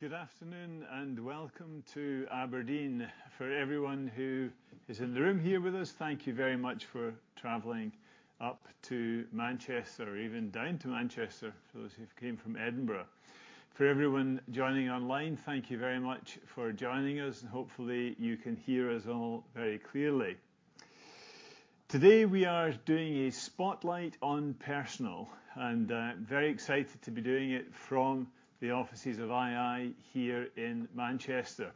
Good afternoon, welcome to Aberdeen. For everyone who is in the room here with us, thank you very much for traveling up to Manchester, or even down to Manchester, for those who've came from Edinburgh. For everyone joining online, thank you very much for joining us, hopefully you can hear us all very clearly. Today, we are doing a spotlight on personal, very excited to be doing it from the offices of II here in Manchester.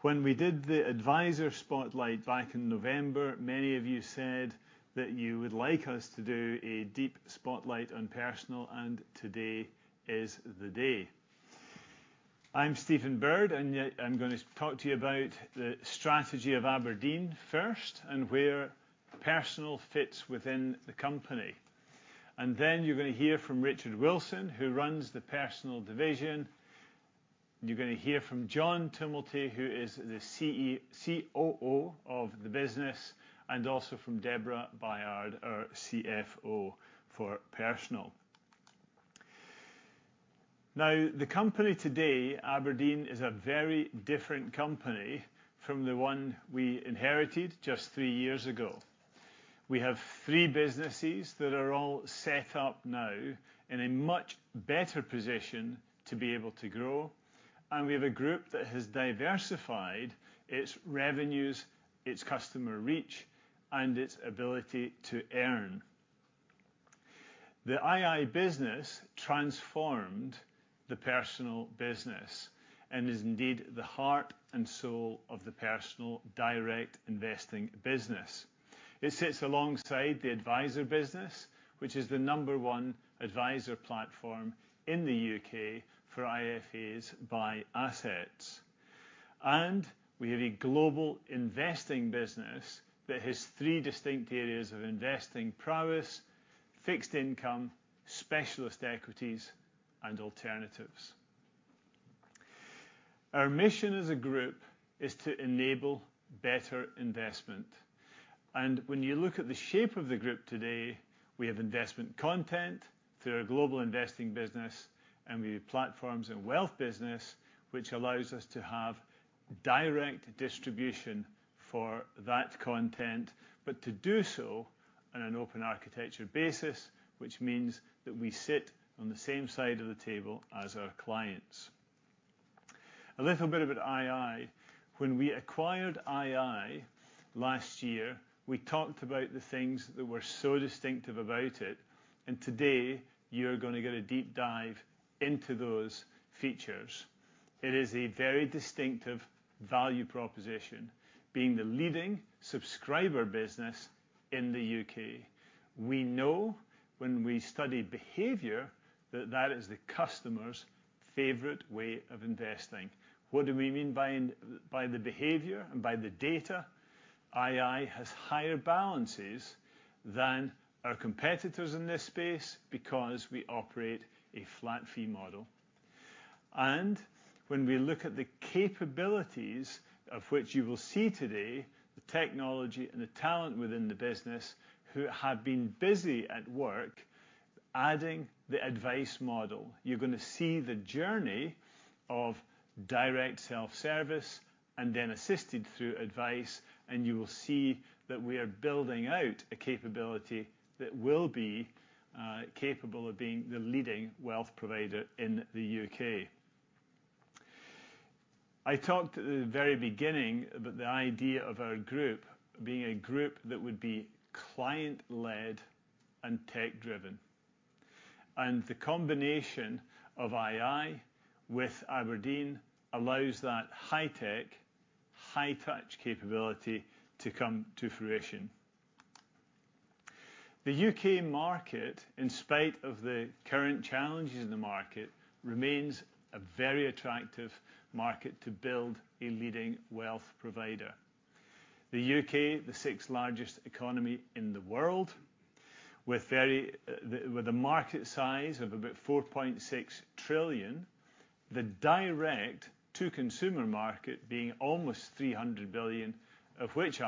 When we did the advisor spotlight back in November, many of you said that you would like us to do a deep spotlight on personal, today is the day. I'm Stephen Bird I'm going to talk to you about the strategy of Aberdeen first, where personal fits within the company. Then you're going to hear from Richard Wilson, who runs the personal division. You're going to hear from John Tumilty, who is the COO of the business, and also from Debra Bayard, our CFO for personal. The company today, Aberdeen, is a very different company from the one we inherited just three years ago. We have three businesses that are all set up now in a much better position to be able to grow, and we have a group that has diversified its revenues, its customer reach, and its ability to earn. The ii business transformed the personal business and is indeed the heart and soul of the personal direct investing business. It sits alongside the advisor business, which is the number one advisor platform in the U.K. for IFAs by assets. We have a global investing business that has three distinct areas of investing prowess: fixed income, specialist equities, and alternatives. Our mission as a group is to enable better investment, and when you look at the shape of the group today, we have investment content through our global investing business, and we have platforms and wealth business, which allows us to have direct distribution for that content, but to do so on an open architecture basis, which means that we sit on the same side of the table as our clients. A little bit about ii. When we acquired ii last year, we talked about the things that were so distinctive about it, and today you're going to get a deep dive into those features. It is a very distinctive value proposition, being the leading subscriber business in the U.K. We know when we study behavior, that that is the customer's favorite way of investing. What do we mean by the behavior and by the data? ii has higher balances than our competitors in this space because we operate a flat fee model. When we look at the capabilities, of which you will see today, the technology and the talent within the business who have been busy at work adding the advice model. You're going to see the journey of direct self-service and then assisted through advice, you will see that we are building out a capability that will be capable of being the leading wealth provider in the U.K. I talked at the very beginning about the idea of our group being a group that would be client-led and tech-driven, the combination of ii with Aberdeen allows that high-tech, high-touch capability to come to fruition. The U.K. market, in spite of the current challenges in the market, remains a very attractive market to build a leading wealth provider. The U.K., the sixth largest economy in the world, with a market size of about 4.6 trillion, the direct-to-consumer market being almost 300 billion, of which ii,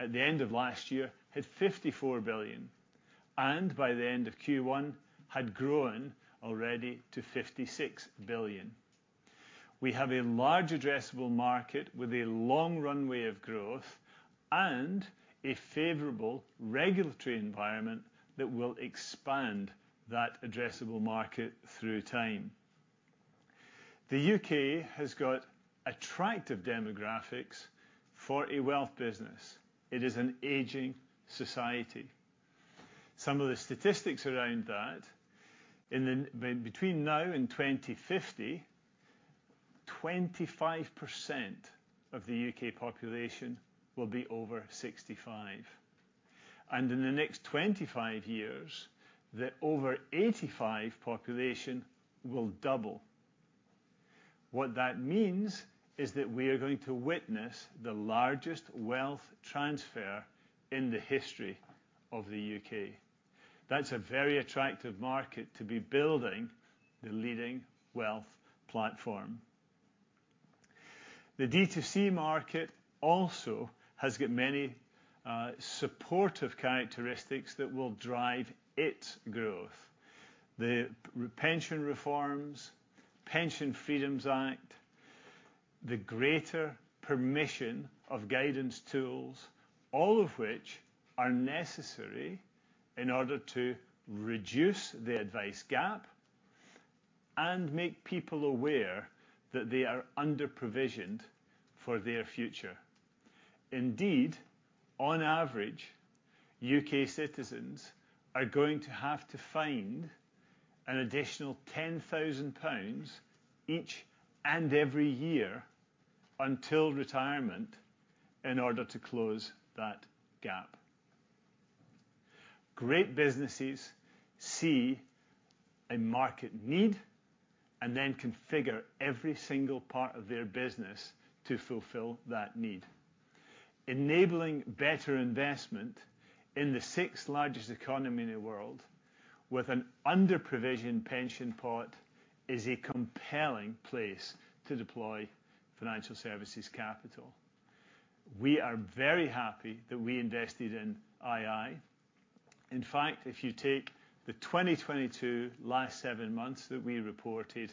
at the end of last year, had 54 billion, and by the end of Q1, had grown already to 56 billion. We have a large addressable market with a long runway of growth and a favorable regulatory environment that will expand that addressable market through time. The U.K. has got attractive demographics for a wealth business. It is an aging society. Some of the statistics around that, between now and 2050, 25% of the U.K. population will be over 65, and in the next 25 years, the over 85 population will double. What that means is that we are going to witness the largest wealth transfer in the history of the U.K. That's a very attractive market to be building the leading wealth platform. The D2C market also has got many supportive characteristics that will drive its growth. The pension reforms, Pension Freedoms Act, the greater permission of guidance tools, all of which are necessary in order to reduce the advice gap and make people aware that they are under-provisioned for their future. Indeed, on average, U.K. citizens are going to have to find an additional 10,000 pounds each and every year until retirement in order to close that gap. Great businesses see a market need and then configure every single part of their business to fulfill that need. Enabling better investment in the sixth largest economy in the world, with an under-provisioned pension pot, is a compelling place to deploy financial services capital. We are very happy that we invested in ii. In fact, if you take the 2022 last seven months that we reported,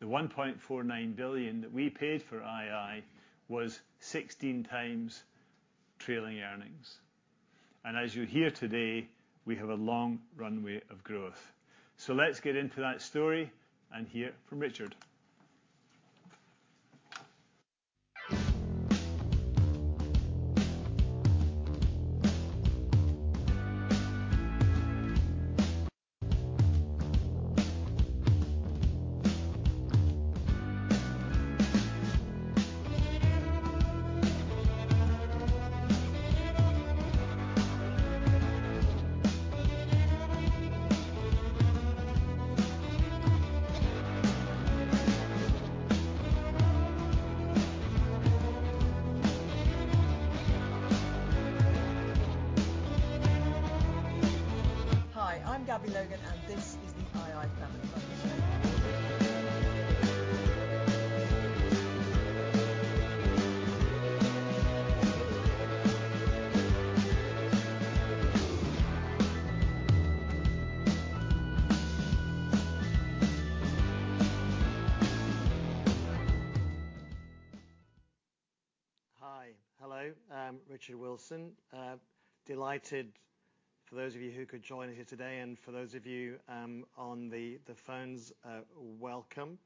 the 1.49 billion that we paid for II was 16 times trailing earnings. As you hear today, we have a long runway of growth. Let's get into that story and hear from Richard. Hi, I'm Gabby Logan. This is the ii Family Office. Hi. Hello. Richard Wilson. Delighted for those of you who could join us here today, and for those of you on the phones, welcome.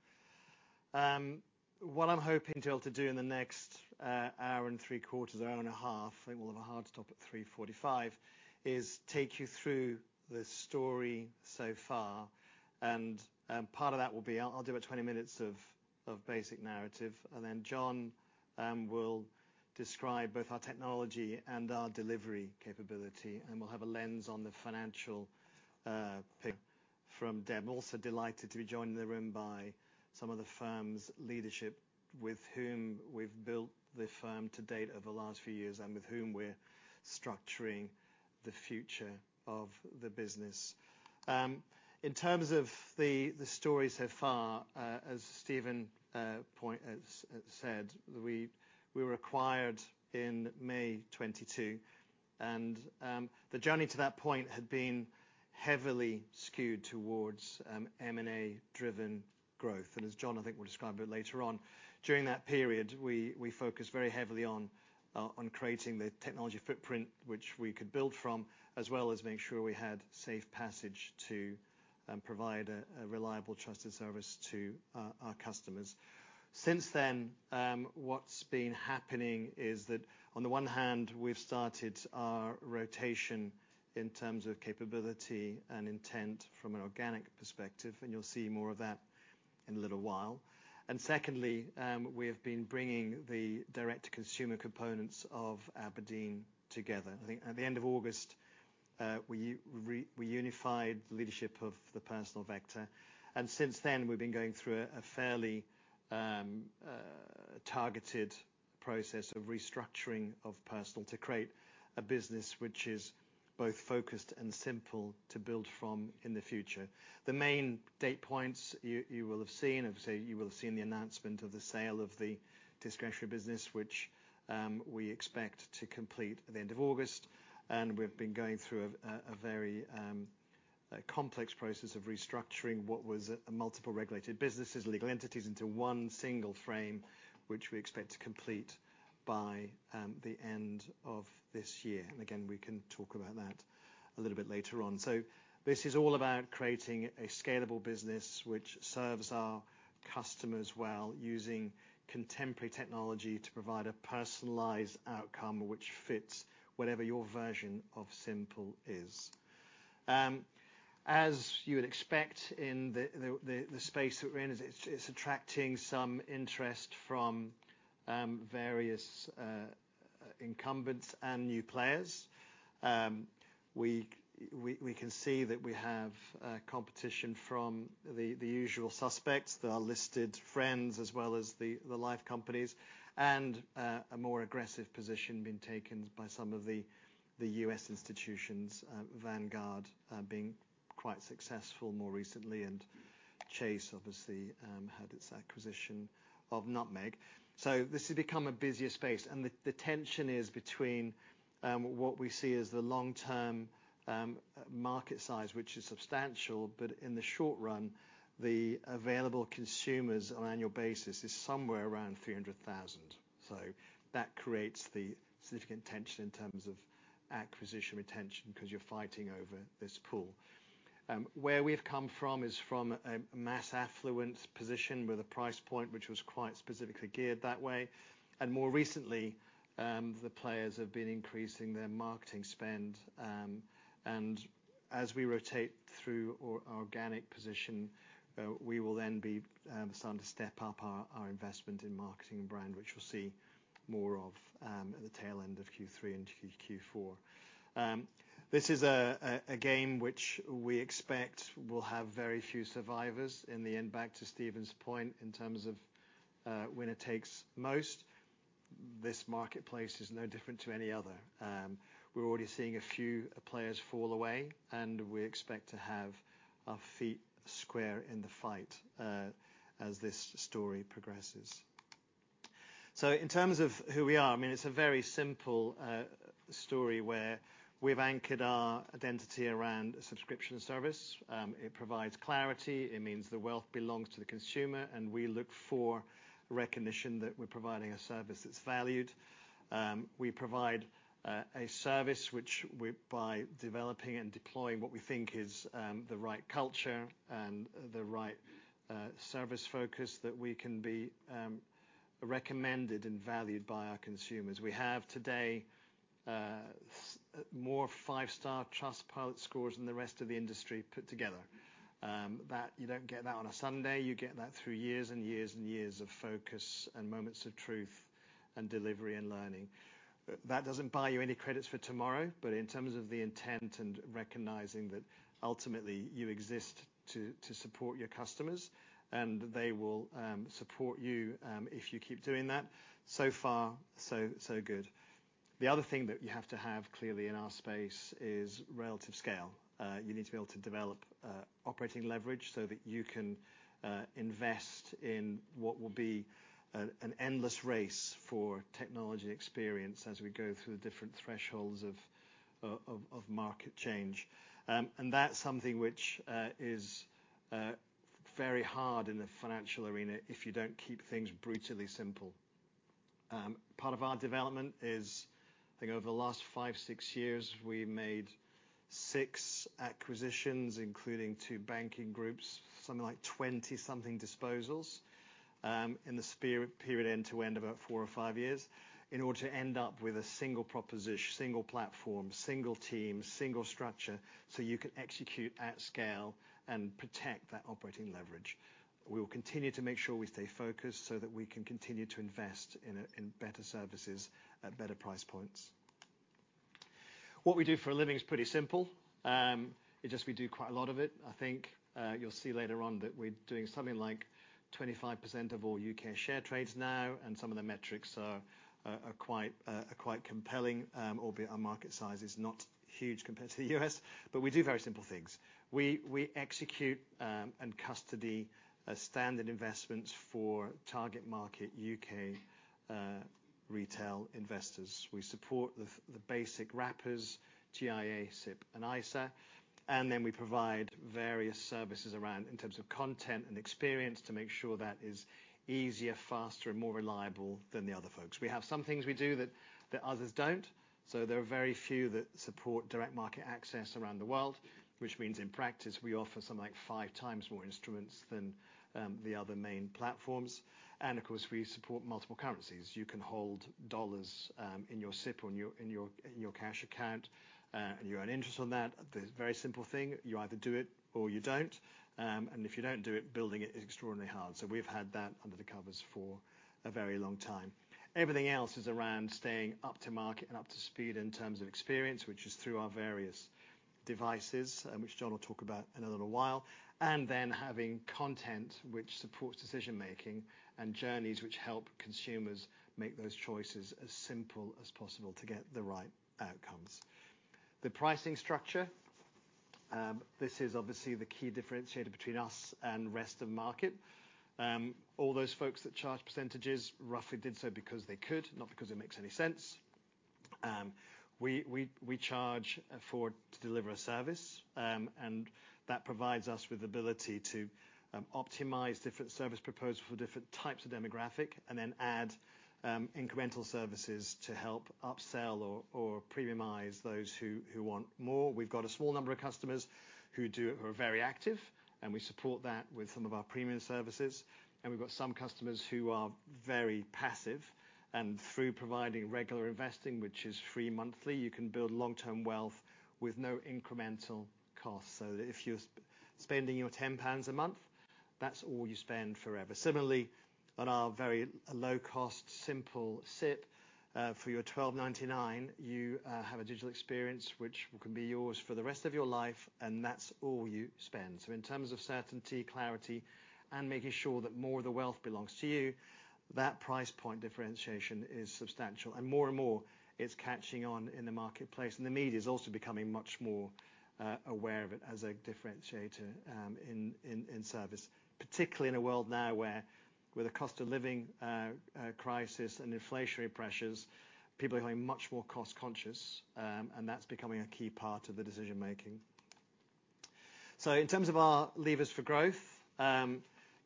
What I'm hoping to be able to do in the next hour and three quarters, or hour and a half, I think we'll have a hard stop at 3:45, is take you through the story so far, and part of that will be I'll do about 20 minutes of basic narrative, and then John will describe both our technology and our delivery capability, and we'll have a lens on the financial pic from Deb. I'm also delighted to be joined in the room by some of the firm's leadership, with whom we've built the firm to date over the last few years, and with whom we're structuring the future of the business. In terms of the story so far, as Stephen said, we were acquired in May 2022, the journey to that point had been heavily skewed towards M&A-driven growth. As John, I think, will describe a bit later on, during that period, we focused very heavily on creating the technology footprint, which we could build from, as well as making sure we had safe passage to provide a reliable, trusted service to our customers. Since then, what's been happening is that on the one hand, we've started our rotation in terms of capability and intent from an organic perspective, you'll see more of that in a little while. Secondly, we have been bringing the direct consumer components of Aberdeen together. I think at the end of August, we unified the leadership of the Personal Vector, since then, we've been going through a fairly targeted process of restructuring of personal to create a business which is both focused and simple to build from in the future. The main date points you will have seen, obviously, you will have seen the announcement of the sale of the discretionary business, which we expect to complete at the end of August. We've been going through a very complex process of restructuring what was a multiple regulated businesses, legal entities into one single frame, which we expect to complete by the end of this year. Again, we can talk about that a little bit later on. This is all about creating a scalable business which serves our customers well, using contemporary technology to provide a personalized outcome which fits whatever your version of simple is. As you would expect in the space that we're in, it's attracting some interest from various incumbents and new players. We can see that we have competition from the usual suspects, our listed friends, as well as the life companies. A more aggressive position being taken by some of the U.S. institutions, Vanguard, being quite successful more recently, and Chase obviously had its acquisition of Nutmeg. This has become a busier space, and the tension is between what we see as the long-term market size, which is substantial, but in the short run, the available consumers on an annual basis is somewhere around 300,000. That creates the significant tension in terms of acquisition retention, 'cause you're fighting over this pool. Where we've come from is from a mass affluent position with a price point, which was quite specifically geared that way. More recently, the players have been increasing their marketing spend. As we rotate through organic position, we will then be starting to step up our investment in marketing and brand, which we'll see more of at the tail end of Q3 and Q4. This is a game which we expect will have very few survivors. In the end, back to Stephen's point, in terms of winner takes most, this marketplace is no different to any other. We're already seeing a few players fall away, and we expect to have our feet square in the fight as this story progresses. In terms of who we are, I mean, it's a very simple story where we've anchored our identity around a subscription service. It provides clarity, it means the wealth belongs to the consumer, and we look for recognition that we're providing a service that's valued. We provide a service which we, by developing and deploying what we think is the right culture and the right service focus, that we can be recommended and valued by our consumers. We have today, more five-star Trustpilot scores than the rest of the industry put together. You don't get that on a Sunday, you get that through years and years and years of focus and moments of truth and delivery and learning. That doesn't buy you any credits for tomorrow. In terms of the intent and recognizing that ultimately you exist to support your customers, and they will support you if you keep doing that, so far, so good. The other thing that you have to have, clearly, in our space is relative scale. You need to be able to develop operating leverage so that you can invest in what will be an endless race for technology experience as we go through the different thresholds of market change. That's something which is very hard in the financial arena if you don't keep things brutally simple. Part of our development is, I think over the last five, six years, we've made six acquisitions, including two banking groups, something like 20 something disposals, in the period end to end, about four or five years, in order to end up with a single proposition, single platform, single team, single structure, so you can execute at scale and protect that operating leverage. We will continue to make sure we stay focused so that we can continue to invest in better services at better price points. What we do for a living is pretty simple. It's just we do quite a lot of it. I think, you'll see later on that we're doing something like 25% of all U.K. share trades now, and some of the metrics are quite compelling. Albeit our market size is not huge compared to the U.S., we do very simple things. We execute and custody standard investments for target market U.K. retail investors. We support the basic wrappers, GIA, SIPP, and ISA, we provide various services around in terms of content and experience to make sure that is easier, faster, and more reliable than the other folks. We have some things we do that others don't. There are very few that support direct market access around the world, which means in practice, we offer something like five times more instruments than the other main platforms. Of course, we support multiple currencies. You can hold dollars in your SIPP or in your cash account, you earn interest on that. The very simple thing, you either do it or you don't. If you don't do it, building it is extraordinarily hard. We've had that under the covers for a very long time. Everything else is around staying up to market and up to speed in terms of experience, which is through our various devices, which John will talk about in a little while. Having content which supports decision-making and journeys which help consumers make those choices as simple as possible to get the right outcomes. The pricing structure, this is obviously the key differentiator between us and the rest of the market. All those folks that charge percentages roughly did so because they could, not because it makes any sense. We charge afford to deliver a service. That provides us with the ability to optimize different service proposals for different types of demographic and then add incremental services to help upsell or premiumize those who want more. We've got a small number of customers who are very active, and we support that with some of our premium services. We've got some customers who are very passive, and through providing regular investing, which is free monthly, you can build long-term wealth with no incremental cost. If you're spending your 10 pounds a month, that's all you spend forever. Similarly, on our very low cost, simple SIPP, for your 12.99, you have a digital experience which can be yours for the rest of your life, and that's all you spend. In terms of certainty, clarity, and making sure that more of the wealth belongs to you. That price point differentiation is substantial, and more and more, it's catching on in the marketplace, and the media is also becoming much more aware of it as a differentiator in service. Particularly in a world now where with the cost of living crisis and inflationary pressures, people are becoming much more cost conscious, and that's becoming a key part of the decision making. In terms of our levers for growth,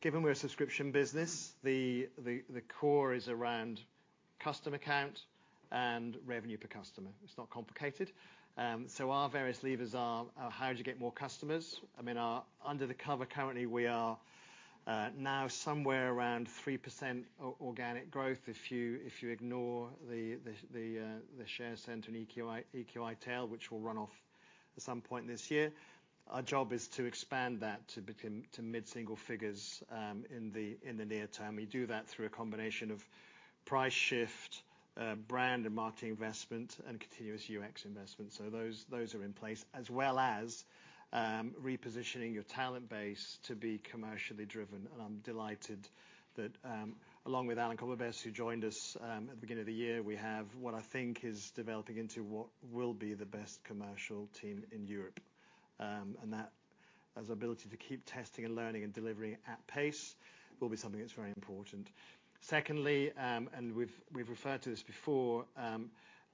given we're a subscription business, the core is around customer count and revenue per customer. It's not complicated. Our various levers are how to get more customers. I mean, under the cover, currently we are now somewhere around 3% organic growth. If you ignore The Share Centre and EQi tail, which will run off at some point this year, our job is to expand that to become to mid-single figures, in the near term. We do that through a combination of price shift, brand and marketing investment, and continuous UX investment. Those are in place, as well as, repositioning your talent base to be commercially driven. I'm delighted that, along with Alan Berkowitz, who joined us, at the beginning of the year, we have what I think is developing into what will be the best commercial team in Europe. That, as ability to keep testing and learning and delivering at pace, will be something that's very important. Secondly, we've referred to this before,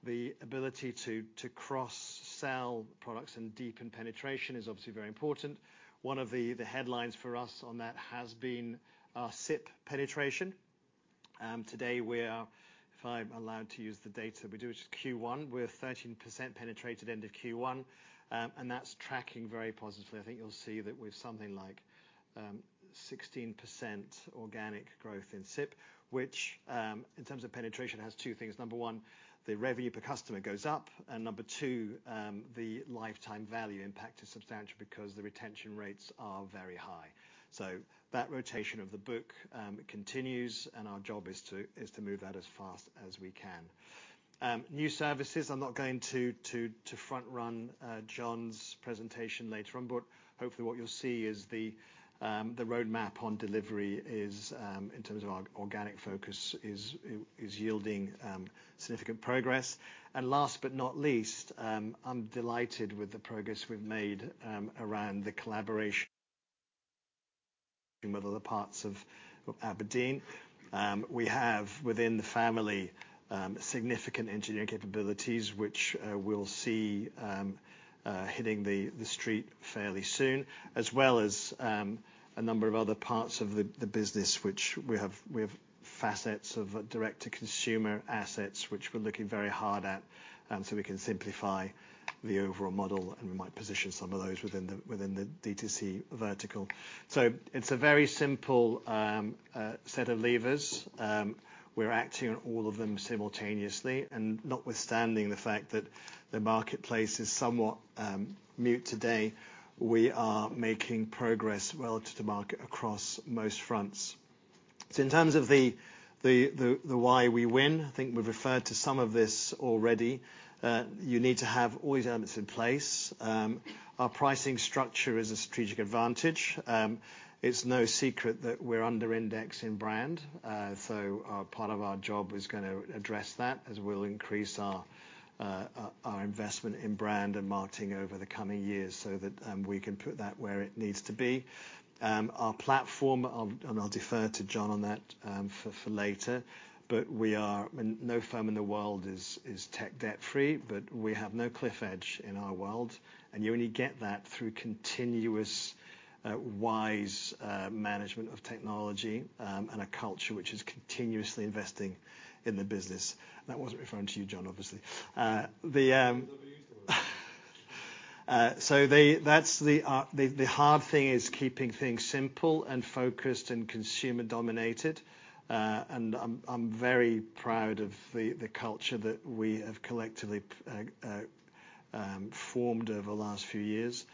the ability to cross-sell products and deepen penetration is obviously very important. One of the headlines for us on that has been our SIPP penetration. Today, we are, if I'm allowed to use the data we do, which is Q1, we're 13% penetrated end of Q1, and that's tracking very positively. I think you'll see that with something like 16% organic growth in SIPP, which, in terms of penetration, has two things: number one, the revenue per customer goes up, and number two, the lifetime value impact is substantial because the retention rates are very high. That rotation of the book continues, and our job is to move that as fast as we can. New services, I'm not going to front-run John's presentation later on, but hopefully what you'll see is the roadmap on delivery is in terms of our organic focus is yielding significant progress. Last but not least, I'm delighted with the progress we've made around the collaboration with other parts of Aberdeen. We have, within the family, significant engineering capabilities, which we'll see hitting the street fairly soon, as well as a number of other parts of the business, which we have, we have facets of direct-to-consumer assets, which we're looking very hard at, so we can simplify the overall model, and we might position some of those within the D2C vertical. It's a very simple set of levers. We're acting on all of them simultaneously, and notwithstanding the fact that the marketplace is somewhat mute today, we are making progress relative to market across most fronts. In terms of the why we win, I think we've referred to some of this already. You need to have all these elements in place. Our pricing structure is a strategic advantage. It's no secret that we're under index in brand, so part of our job is gonna address that as we'll increase our investment in brand and marketing over the coming years so that we can put that where it needs to be. Our platform, and I'll defer to John on that for later, but we are... No firm in the world is tech debt-free, but we have no cliff edge in our world, and you only get that through continuous, wise, management of technology, and a culture which is continuously investing in the business. That wasn't referring to you, John, obviously. That's the hard thing is keeping things simple and focused and consumer-dominated, and I'm very proud of the culture that we have collectively, formed over the last few years.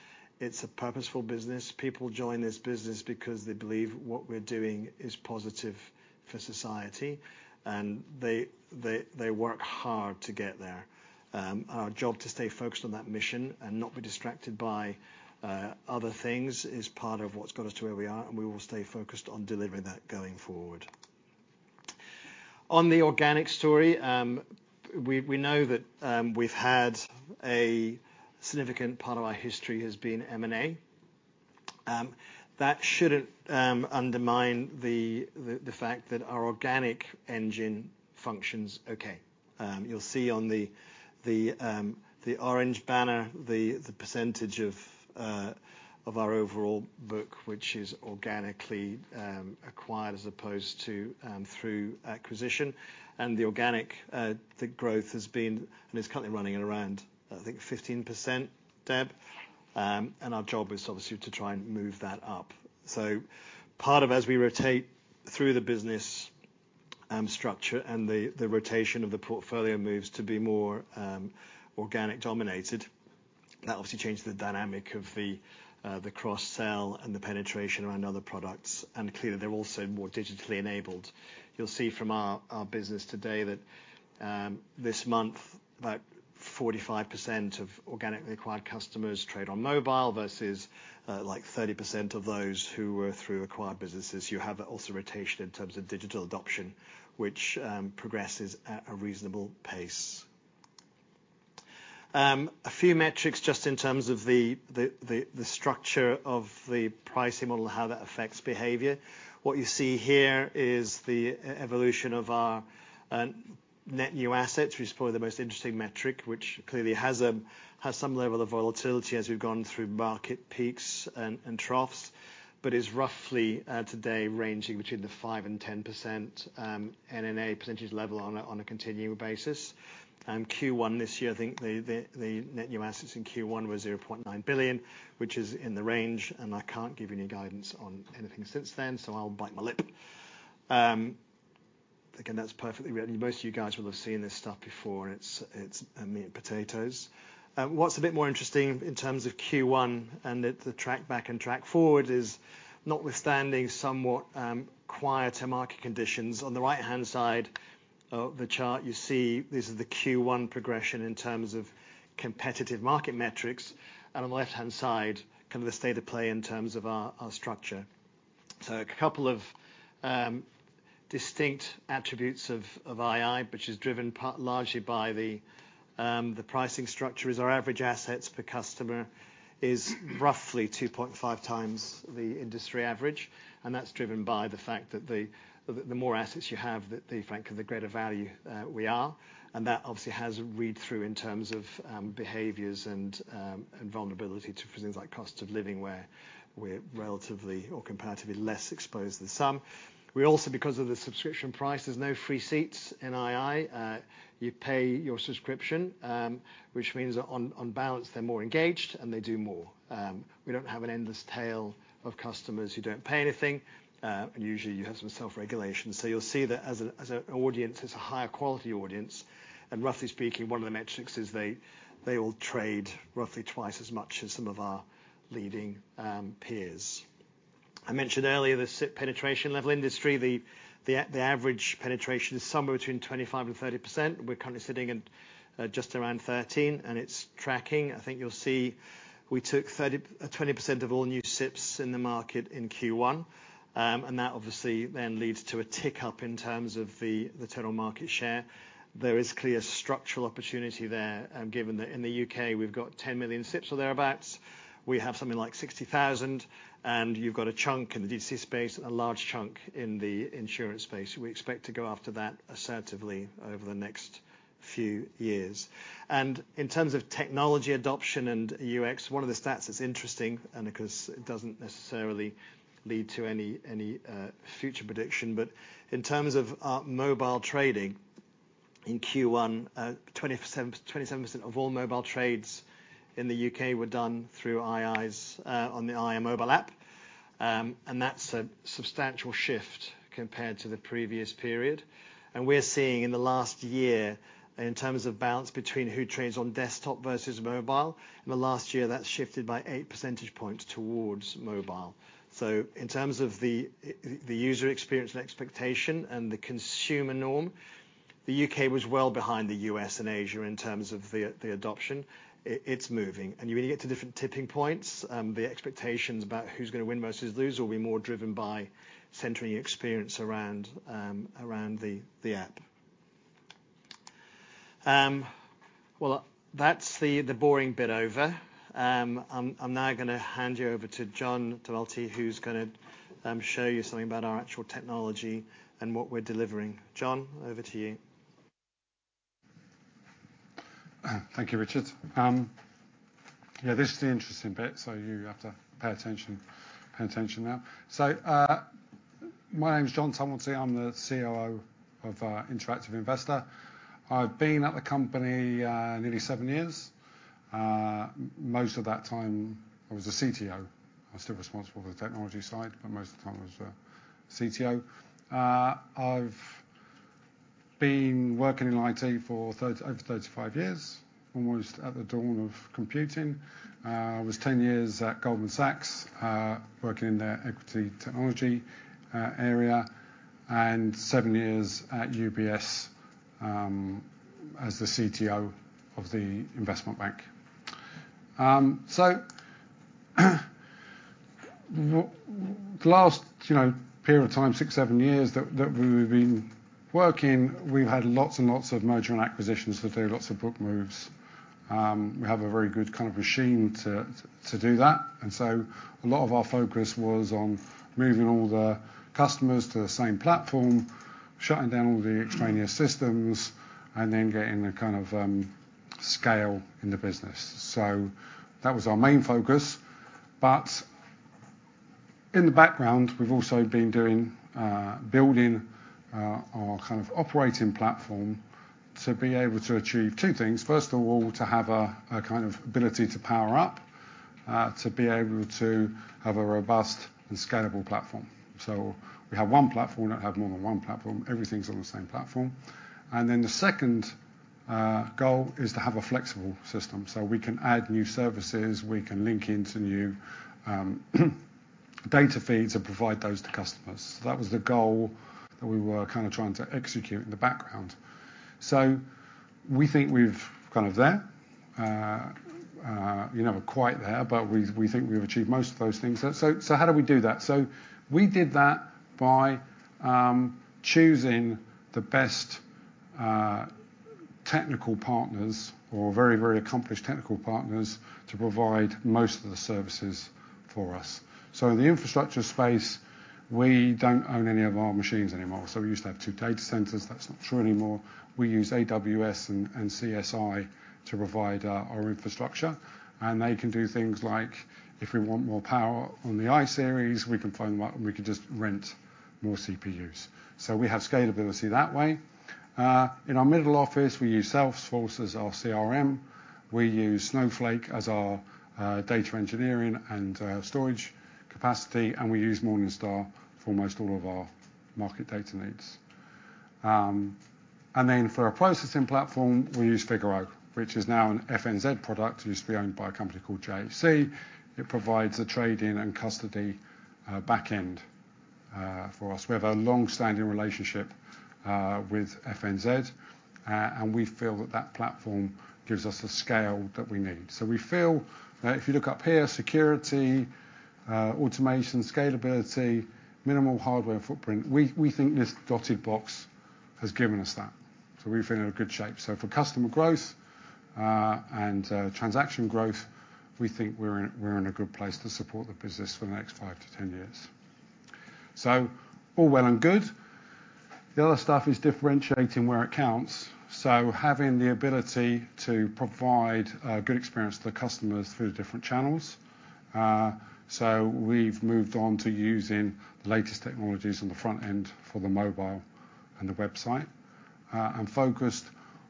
It's a purposeful business. People join this business because they believe what we're doing is positive for society, and they work hard to get there. Our job to stay focused on that mission and not be distracted by other things is part of what's got us to where we are, we will stay focused on delivering that going forward. On the organic story, we know that we've had a significant part of our history has been M&A. That shouldn't undermine the fact that our organic engine functions okay. You'll see on the orange banner, the percentage of our overall book, which is organically acquired as opposed to through acquisition. The organic growth has been, and is currently running at around, I think, 15%, Deb? Our job is obviously to try and move that up. Part of as we rotate through the business structure and the rotation of the portfolio moves to be more organic-dominated, that obviously changes the dynamic of the cross-sell and the penetration around other products, and clearly, they're also more digitally enabled. You'll see from our business today that this month, about 45% of organically acquired customers trade on mobile versus like 30% of those who were through acquired businesses. You have also rotation in terms of digital adoption, which progresses at a reasonable pace. A few metrics just in terms of the structure of the pricing model and how that affects behavior. What you see here is the e-evolution of our net new assets, which is probably the most interesting metric, which clearly has some level of volatility as we've gone through market peaks and troughs, but is roughly today ranging between the 5% and 10% NNA percentage level on a continuing basis. Q1 this year, I think the net new assets in Q1 were 0.9 billion, which is in the range, and I can't give you any guidance on anything since then, so I'll bite my lip. Again, that's perfectly right. Most of you guys will have seen this stuff before, and it's meat and potatoes. What's a bit more interesting in terms of Q1 and the track back and track forward is notwithstanding somewhat quieter market conditions. On the right-hand side of the chart, you see this is the Q1 progression in terms of competitive market metrics, and on the left-hand side, kind of the state of play in terms of our structure. A couple of distinct attributes of II, which is driven part largely by the pricing structure, is our average assets per customer is roughly 2.5 times the industry average, and that's driven by the fact that the more assets you have, the frankly, the greater value we are, and that obviously has a read-through in terms of behaviors and vulnerability to things like cost of living, where we're relatively or comparatively less exposed than some. We also, because of the subscription price, there are no free seats in II. You pay your subscription, which means on balance, they're more engaged, they do more. We don't have an endless tail of customers who don't pay anything; usually, you have some self-regulation. You'll see that as an audience, it's a higher quality audience, roughly speaking, one of the metrics is they all trade roughly twice as much as some of our leading peers. I mentioned earlier the SIPP penetration level industry. The average penetration is somewhere between 25% and 30%. We're currently sitting at just around 13; it's tracking. I think you'll see we took 20% of all new SIPPs in the market in Q1. That obviously then leads to a tick-up in terms of the total market share. There is clear structural opportunity there, given that in the U.K., we've got 10 million SIPPs or thereabouts. We have something like 60,000, and you've got a chunk in the D.C. space, a large chunk in the insurance space. We expect to go after that assertively over the next few years. In terms of technology adoption and UX, one of the stats that's interesting, and because it doesn't necessarily lead to any future prediction, but in terms of our mobile trading, in Q1, 27% of all mobile trades in the U.K. were done through ii's on the ii mobile app. That's a substantial shift compared to the previous period. We're seeing in the last year, in terms of balance between who trades on desktop versus mobile, in the last year, that's shifted by eight percentage points towards mobile. In terms of the user experience and expectation and the consumer norm, the U.K. was well behind the U.S. and Asia in terms of the adoption. It's moving, and you really get to different tipping points. The expectations about who's going to win versus lose will be more driven by centering experience around the app. Well, that's the boring bit over. I'm now gonna hand you over to John Tumilty, who's gonna show you something about our actual technology and what we're delivering. John, over to you. Thank you, Richard. Yeah, this is the interesting bit, you have to pay attention, pay attention now. My name is John Tumilty. I'm the COO of Interactive investor. I've been at the company nearly seven years. Most of that time, I was the CTO. I'm still responsible for the technology side, but most of the time I was the CTO. I've been working in IT for over 35 years, almost at the dawn of computing. I was 10 years at Goldman Sachs, working in their equity technology area, and seven years at UBS, as the CTO of the investment bank. The last, you know, period of time, six, seven years, that we've been working, we've had lots and lots of merger and acquisitions to do, lots of book moves. We have a very good kind of machine to do that, and so a lot of our focus was on moving all the customers to the same platform, shutting down all the extraneous systems, and then getting the kind of scale in the business. That was our main focus, but in the background, we've also been doing building our kind of operating platform to be able to achieve two things. First of all, to have a kind of ability to power up, to be able to have a robust and scalable platform. We have one platform that had more than one platform. Everything's on the same platform. The second goal is to have a flexible system, so we can add new services, we can link into new data feeds and provide those to customers. That was the goal that we were kind of trying to execute in the background. We think we're kind of there. you know, we're quite there, but we think we've achieved most of those things. how do we do that? We did that by choosing the best technical partners or very, very accomplished technical partners to provide most of the services for us. In the infrastructure space, we don't own any of our machines anymore. We used to have two data centers. That's not true anymore. We use AWS and CSI to provide our infrastructure, and they can do things like if we want more power on the I-series, we can phone them up, and we can just rent more CPUs. We have scalability that way. In our middle office, we use Salesforce as our CRM. We use Snowflake as our data engineering and storage capacity. We use Morningstar for almost all of our market data needs. Then for our processing platform, we use Figaro, which is now an FNZ product. It used to be owned by a company called FNZ. It provides a trade-in and custody back end for us. We have a long-standing relationship with FNZ, and we feel that that platform gives us the scale that we need. We feel if you look up here, security, automation, scalability, minimal hardware footprint, we think this dotted box has given us that. We feel in a good shape. For customer growth, and transaction growth, we think we're in a good place to support the business for the next 5-10 years. All well and good. The other stuff is differentiating where it counts, so having the ability to provide a good experience to the customers through different channels. We've moved on to using the latest technologies on the front end for the mobile and the website, and focused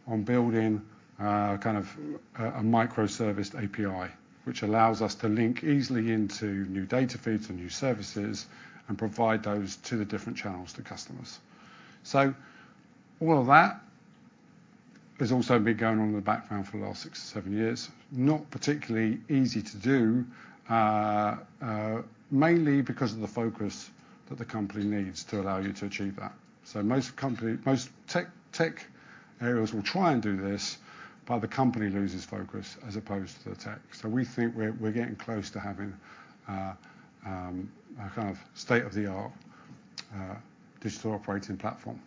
on building, kind of a micro-serviced API, which allows us to link easily into new data feeds and new services and provide those to the different channels to customers. All of that has also been going on in the background for the last six or seven years. Not particularly easy to do, mainly because of the focus that the company needs to allow you to achieve that. Most tech areas will try and do this, but the company loses focus as opposed to the tech. We think we're getting close to having a kind of state-of-the-art, digital operating platform.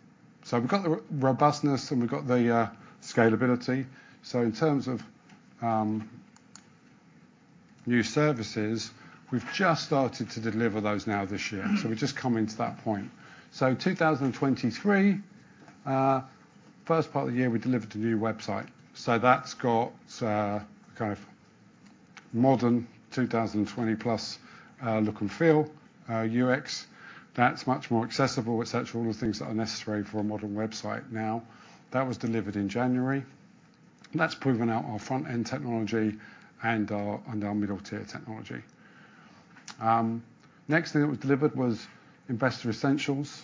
We've got the robustness, and we've got the scalability. In terms of new services, we've just started to deliver those now this year. We're just coming to that point. 2023, first part of the year, we delivered a new website, so that's got a kind of modern 2020+, look and feel, UX. That's much more accessible, et cetera, all the things that are necessary for a modern website now. That was delivered in January. That's proven out our front-end technology and our middle-tier technology. Next thing that was delivered was Investor Essentials,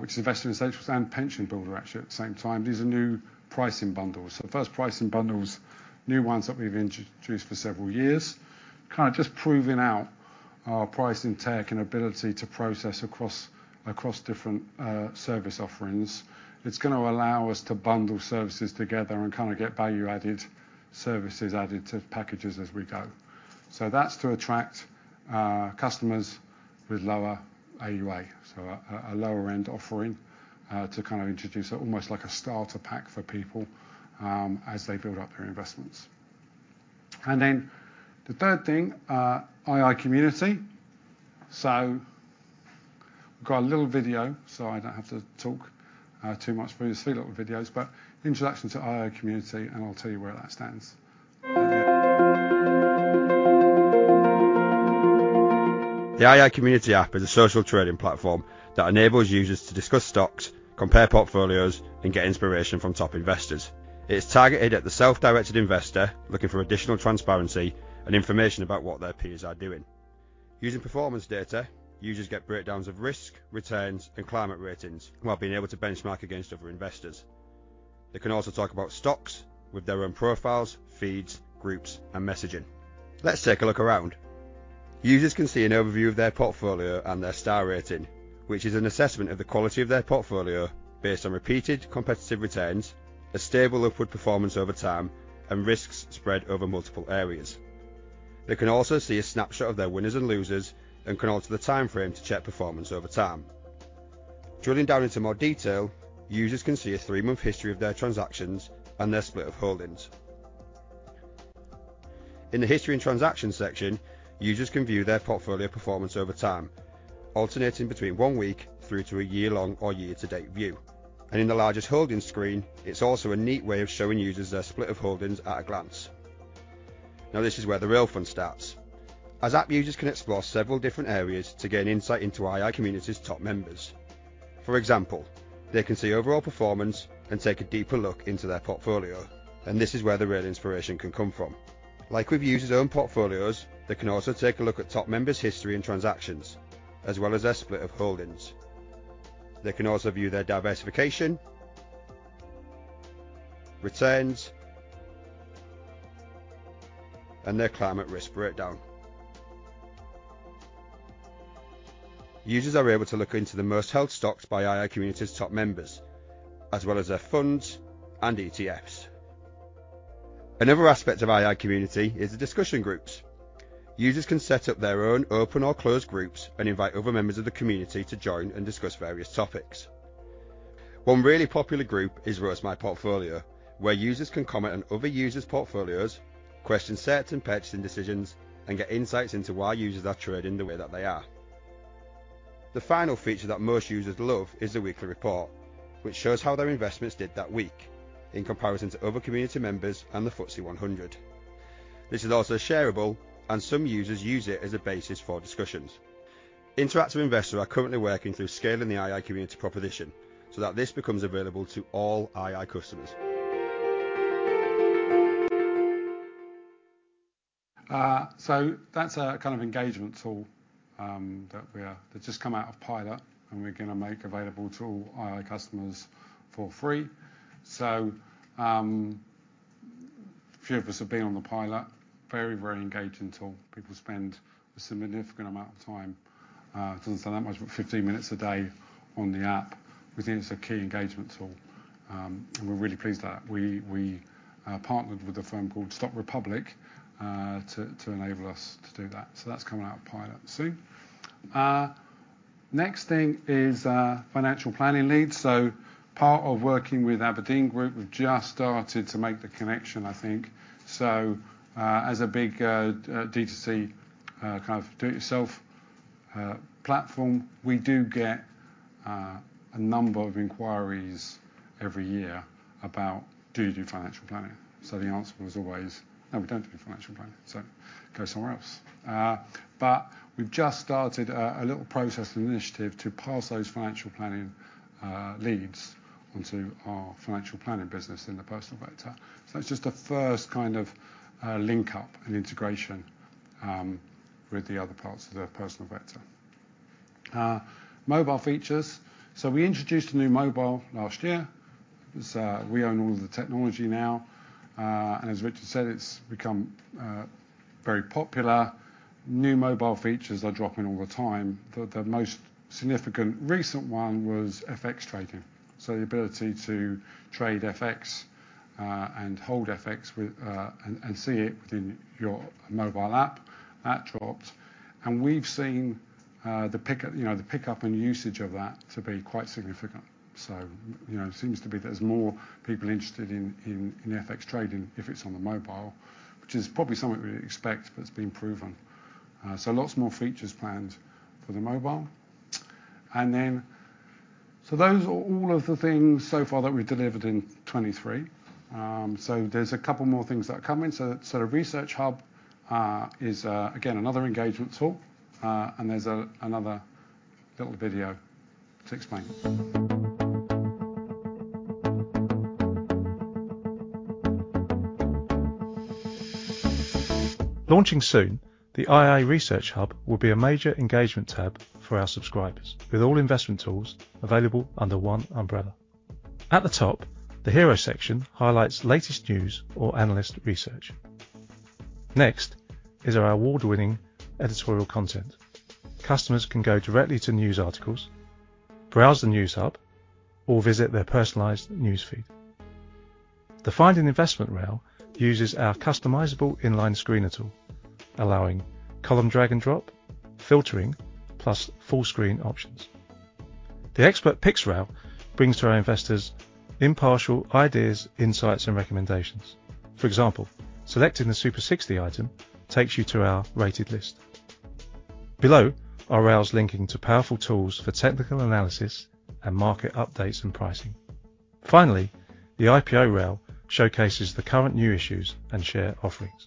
which is Investor Essentials and Pension Builder, actually, at the same time. These are new pricing bundles. First pricing bundles, new ones that we've introduced for several years, kind of just proving out our pricing tech and ability to process across different service offerings. It's gonna allow us to bundle services together and kind of get value-added services added to packages as we go. That's to attract customers with lower AUA, so a lower-end offering to kind of introduce almost like a starter pack for people as they build up their investments. The third thing, II Community. We've got a little video, so I don't have to talk, too much through these three little videos, but introduction to ii Community, and I'll tell you where that stands. The ii Community app is a social trading platform that enables users to discuss stocks, compare portfolios, and get inspiration from top investors. It is targeted at the self-directed investor looking for additional transparency and information about what their peers are doing. Using performance data, users get breakdowns of risk, returns, and climate ratings while being able to benchmark against other investors. They can also talk about stocks with their own profiles, feeds, groups, and messaging. Let's take a look around. Users can see an overview of their portfolio and their star rating, which is an assessment of the quality of their portfolio based on repeated competitive returns, a stable upward performance over time, and risks spread over multiple areas. They can also see a snapshot of their winners and losers and can alter the timeframe to check performance over time. Drilling down into more detail, users can see a three month history of their transactions and their split of holdings. In the History and Transactions section, users can view their portfolio performance over time, alternating between one week through to a year-long or year-to-date view. In the Largest Holdings screen, it's also a neat way of showing users their split of holdings at a glance. This is where the real fun starts, as app users can explore several different areas to gain insight into ii Community's top members. For example, they can see overall performance and take a deeper look into their portfolio. This is where the real inspiration can come from. Like with users' own portfolios, they can also take a look at top members' history and transactions, as well as their split of holdings. They can also view their diversification.... returns, and their climate risk breakdown. Users are able to look into the most held stocks by ii Community's top members, as well as their funds and ETFs. Another aspect of ii Community is the discussion groups. Users can set up their own open or closed groups and invite other members of the community to join and discuss various topics. One really popular group is Roast My Portfolio, where users can comment on other users' portfolios, question certain purchasing decisions, and get insights into why users are trading the way that they are. The final feature that most users love is the weekly report, which shows how their investments did that week in comparison to other community members and the FTSE 100. This is also shareable, and some users use it as a basis for discussions. Interactive investor are currently working through scaling the ii Community proposition so that this becomes available to all ii customers. That's a kind of engagement tool that just come out of pilot, and we're going to make available to all ii customers for free. A few of us have been on the pilot. Very engaging tool. People spend a significant amount of time, doesn't sound that much, but 15 minutes a day on the app. We think it's a key engagement tool, and we're really pleased that we partnered with a firm called Stockrepublic to enable us to do that. That's coming out of pilot soon. Next thing is financial planning leads. Part of working with Aberdeen Group, we've just started to make the connection, I think. As a big D2C kind of do-it-yourself platform, we do get a number of inquiries every year about, "Do you do financial planning?" The answer was always, "No, we don't do financial planning, so go somewhere else." We've just started a little process and initiative to pass those financial planning leads onto our financial planning business in the Personal Vector. It's just a first kind of link-up and integration with the other parts of the Personal Vector. Mobile features. We introduced a new mobile last year. It's we own all of the technology now. As Richard said, it's become very popular. New mobile features are dropping all the time. The most significant recent one was FX trading, so the ability to trade FX and hold FX with and see it within your mobile app. That dropped, we've seen the pickup and usage of that to be quite significant. You know, it seems to be there's more people interested in FX trading if it's on the mobile, which is probably something we expect, but it's been proven. Lots more features planned for the mobile. Those are all of the things so far that we've delivered in 23. There's a couple more things that are coming. The Research Hub is again another engagement tool and there's another little video to explain. Launching soon, the ii Research Hub will be a major engagement tab for our subscribers, with all investment tools available under one umbrella. At the top, the Hero section highlights latest news or analyst research. Next is our award-winning editorial content. Customers can go directly to news articles, browse the news hub, or visit their personalized news feed. The Find an Investment rail uses our customizable inline screener tool, allowing column drag and drop, filtering, plus full-screen options. The expert picks rail brings to our investors impartial ideas, insights, and recommendations. For example, selecting the Super 60 item takes you to our rated list. Below are rails linking to powerful tools for technical analysis and market updates and pricing. Finally, the IPO rail showcases the current new issues and share offerings.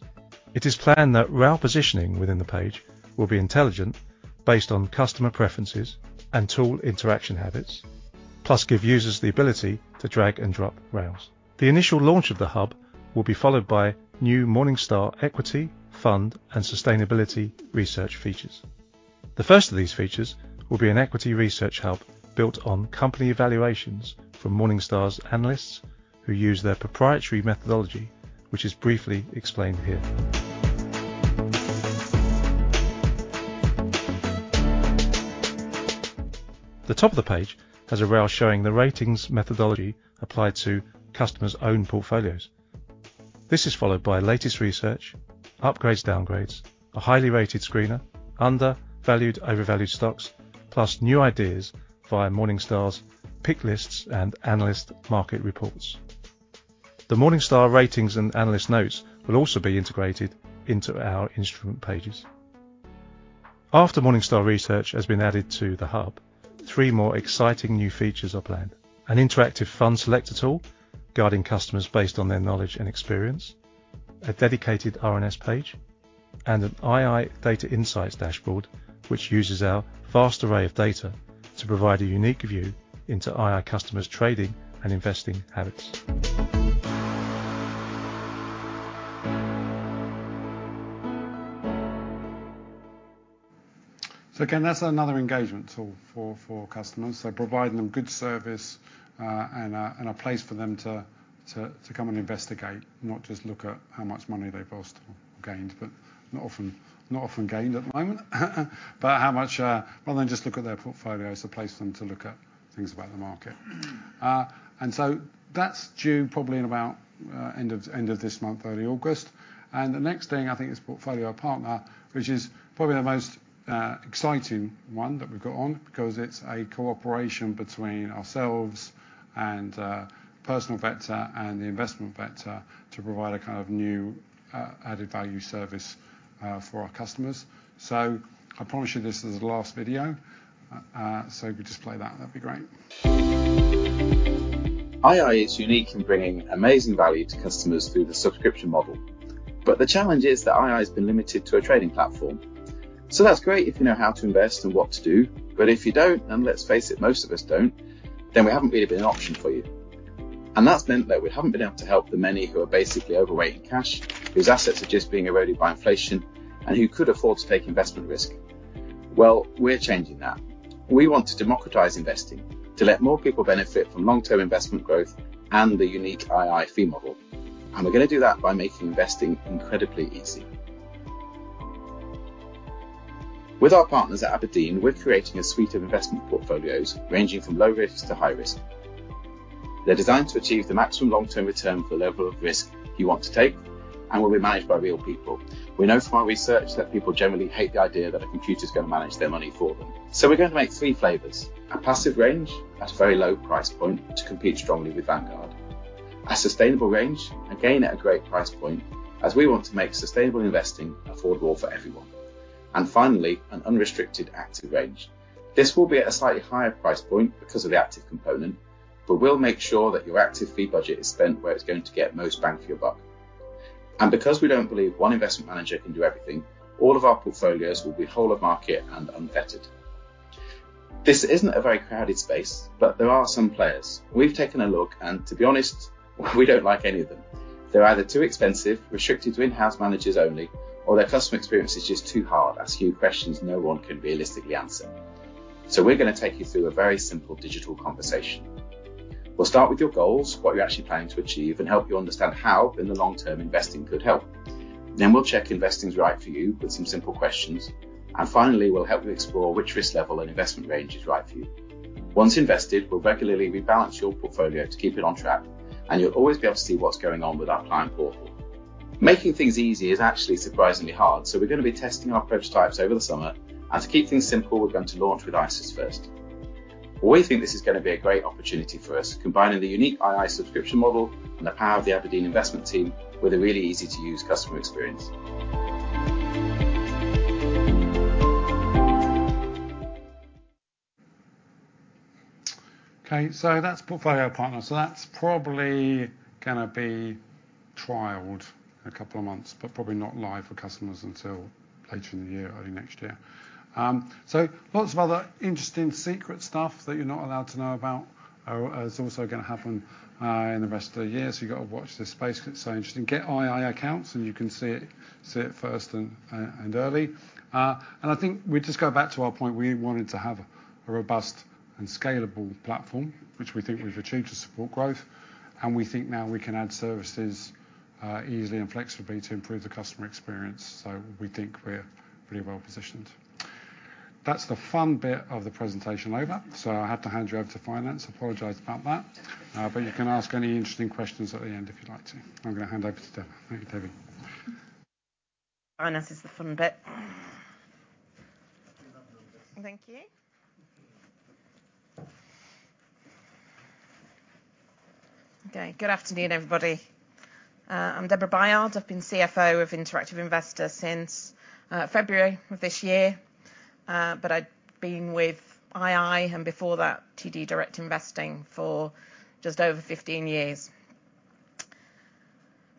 It is planned that rail positioning within the page will be intelligent, based on customer preferences and tool interaction habits, plus give users the ability to drag and drop rails. The initial launch of the hub will be followed by new Morningstar equity, fund, and sustainability research features. The first of these features will be an equity research hub built on company evaluations from Morningstar's analysts, who use their proprietary methodology, which is briefly explained here. The top of the page has a rail showing the ratings methodology applied to customers' own portfolios. This is followed by latest research, upgrades, downgrades, a highly rated screener, undervalued, overvalued stocks, plus new ideas via Morningstar's pick lists and analyst market reports. The Morningstar ratings and analyst notes will also be integrated into our instrument pages. After Morningstar research has been added to the hub, three more exciting new features are planned: an interactive fund selector tool, guiding customers based on their knowledge and experience, a dedicated RNS page, and an ii data insights dashboard, which uses our vast array of data to provide a unique view into ii customers' trading and investing habits. ... Again, that's another engagement tool for customers. Providing them good service and a place for them to come and investigate, not just look at how much money they've lost or gained, but not often gained at the moment. How much, rather than just look at their portfolio, it's a place for them to look at things about the market. That's due probably in about end of this month, early August. The next thing, I think, is Portfolio Partner, which is probably the most exciting one that we've got on. It's a cooperation between ourselves and Personal Vector and the Investment Vector to provide a kind of new added value service for our customers. I promise you, this is the last video. If we just play that'd be great. ii is unique in bringing amazing value to customers through the subscription model. The challenge is that ii's been limited to a trading platform. That's great if you know how to invest and what to do, but if you don't, and let's face it, most of us don't, then we haven't really been an option for you. That's meant that we haven't been able to help the many who are basically overweight in cash, whose assets are just being eroded by inflation, and who could afford to take investment risk. We're changing that. We want to democratize investing, to let more people benefit from long-term investment growth and the unique ii fee model, and we're gonna do that by making investing incredibly easy. With our partners at Aberdeen, we're creating a suite of investment portfolios ranging from low risk to high risk. They're designed to achieve the maximum long-term return for the level of risk you want to take and will be managed by real people. We know from our research that people generally hate the idea that a computer is going to manage their money for them. We're going to make 3 flavors: a passive range at a very low price point to compete strongly with Vanguard, a sustainable range, again, at a great price point, as we want to make sustainable investing affordable for everyone. Finally, an unrestricted active range. This will be at a slightly higher price point because of the active component, but we'll make sure that your active fee budget is spent where it's going to get most bang for your buck. Because we don't believe 1 investment manager can do everything, all of our portfolios will be whole of market and unfettered. This isn't a very crowded space, but there are some players. We've taken a look, and to be honest, we don't like any of them. They're either too expensive, restricted to in-house managers only, or their customer experience is just too hard, asking you questions no one can realistically answer. We're gonna take you through a very simple digital conversation. We'll start with your goals, what you're actually planning to achieve, and help you understand how, in the long term, investing could help. We'll check investing's right for you with some simple questions. Finally, we'll help you explore which risk level and investment range is right for you. Once invested, we'll regularly rebalance your portfolio to keep it on track, and you'll always be able to see what's going on with our client portal. Making things easy is actually surprisingly hard. We're going to be testing our prototypes over the summer. To keep things simple, we're going to launch with Wrap first. We think this is gonna be a great opportunity for us, combining the unique ii subscription model and the power of the Aberdeen investment team with a really easy-to-use customer experience. Okay, that's Portfolio Partner. That's probably gonna be trialed in a couple of months, but probably not live for customers until later in the year, early next year. Lots of other interesting secret stuff that you're not allowed to know about is also gonna happen in the rest of the year. You got to watch this space 'cause it's so interesting. Get II accounts, you can see it first and early. I think we just go back to our point. We wanted to have a robust and scalable platform, which we think we've achieved to support growth, and we think now we can add services easily and flexibly to improve the customer experience. We think we're pretty well positioned. That's the fun bit of the presentation over. I have to hand you over to finance. Apologize about that. You can ask any interesting questions at the end if you'd like to. I'm gonna hand over to Debra. Thank you, Debra. Finance is the fun bit. Thank you. Good afternoon, everybody. I'm Debra Bayard. I've been CFO of Interactive investor since February of this year. I've been with II, and before that, TD Direct Investing, for just over 15 years.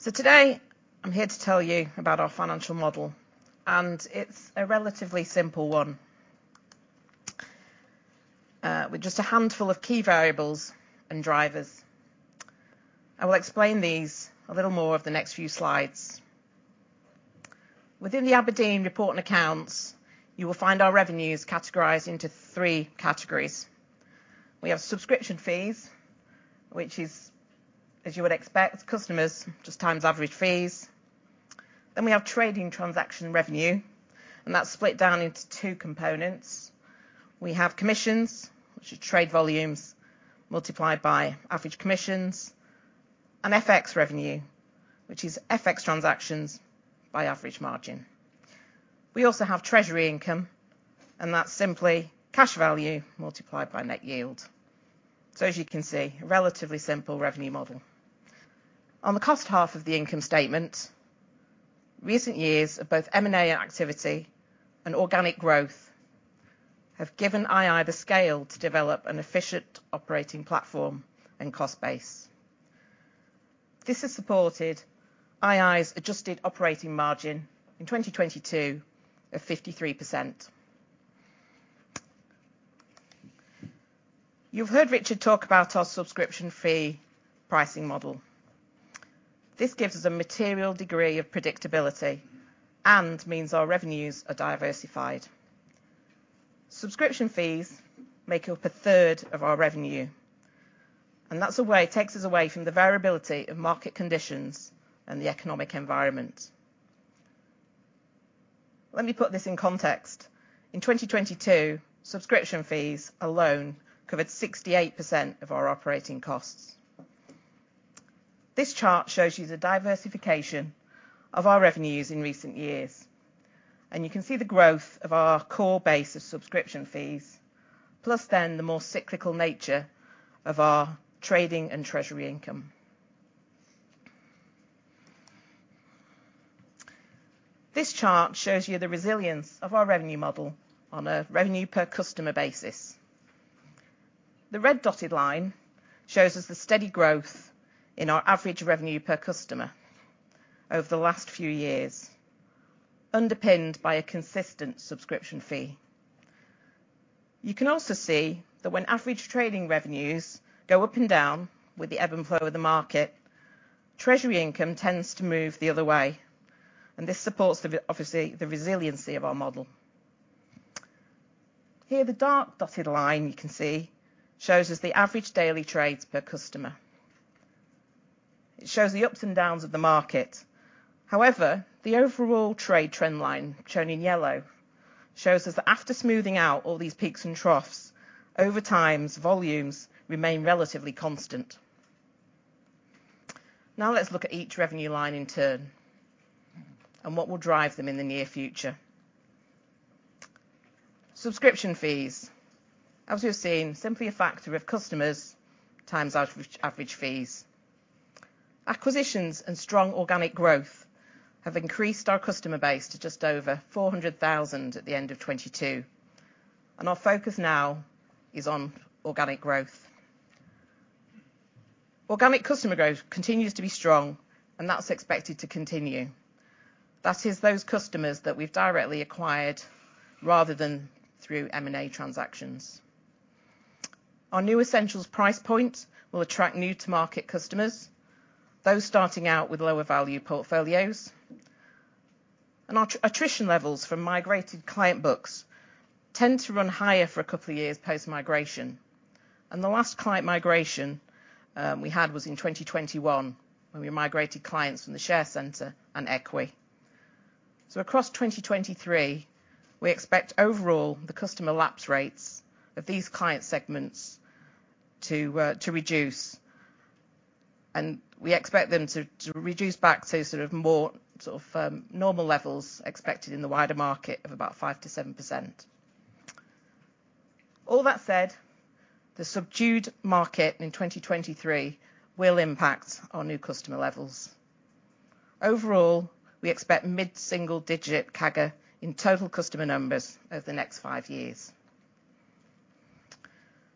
Today, I'm here to tell you about our financial model, and it's a relatively simple one, with just a handful of key variables and drivers. I will explain these a little more over the next few slides. Within the Aberdeen reporting accounts, you will find our revenues categorized into three categories. We have subscription fees, which is, as you would expect, customers just times average fees. We have trading transaction revenue, and that's split down into two components. We have commissions, which are trade volumes multiplied by average commissions, and FX revenue, which is FX transactions by average margin. We also have treasury income, that's simply cash value multiplied by net yield. As you can see, a relatively simple revenue model. On the cost half of the income statement, recent years of both M&A activity and organic growth have given ii the scale to develop an efficient operating platform and cost base. This has supported ii's adjusted operating margin in 2022 of 53%. You've heard Richard talk about our subscription fee pricing model. This gives us a material degree of predictability and means our revenues are diversified. Subscription fees make up a third of our revenue, that takes us away from the variability of market conditions and the economic environment. Let me put this in context. In 2022, subscription fees alone covered 68% of our operating costs. This chart shows you the diversification of our revenues in recent years. You can see the growth of our core base of subscription fees, plus then the more cyclical nature of our trading and treasury income. This chart shows you the resilience of our revenue model on a revenue per customer basis. The red dotted line shows us the steady growth in our average revenue per customer over the last few years, underpinned by a consistent subscription fee. You can also see that when average trading revenues go up and down with the ebb and flow of the market, treasury income tends to move the other way. This supports the, obviously, the resiliency of our model. Here, the dark dotted line, you can see, shows us the average daily trades per customer. It shows the ups and downs of the market. The overall trade trend line, shown in yellow, shows us that after smoothing out all these peaks and troughs, over times, volumes remain relatively constant. Let's look at each revenue line in turn and what will drive them in the near future. Subscription fees. As we've seen, simply a factor of customers times average fees. Acquisitions and strong organic growth have increased our customer base to just over 400,000 at the end of 2022, Our focus now is on organic growth. Organic customer growth continues to be strong, That's expected to continue. That is those customers that we've directly acquired, rather than through M&A transactions. Our new Essentials price points will attract new to market customers, those starting out with lower value portfolios, Our attrition levels from migrated client books tend to run higher for a couple of years post-migration. The last client migration we had was in 2021, when we migrated clients from The Share Centre and EQi. Across 2023, we expect overall the customer lapse rates of these client segments to reduce, and we expect them to reduce back to sort of more normal levels expected in the wider market of about 5%-7%. All that said, the subdued market in 2023 will impact our new customer levels. Overall, we expect mid-single-digit CAGR in total customer numbers over the next 5 years.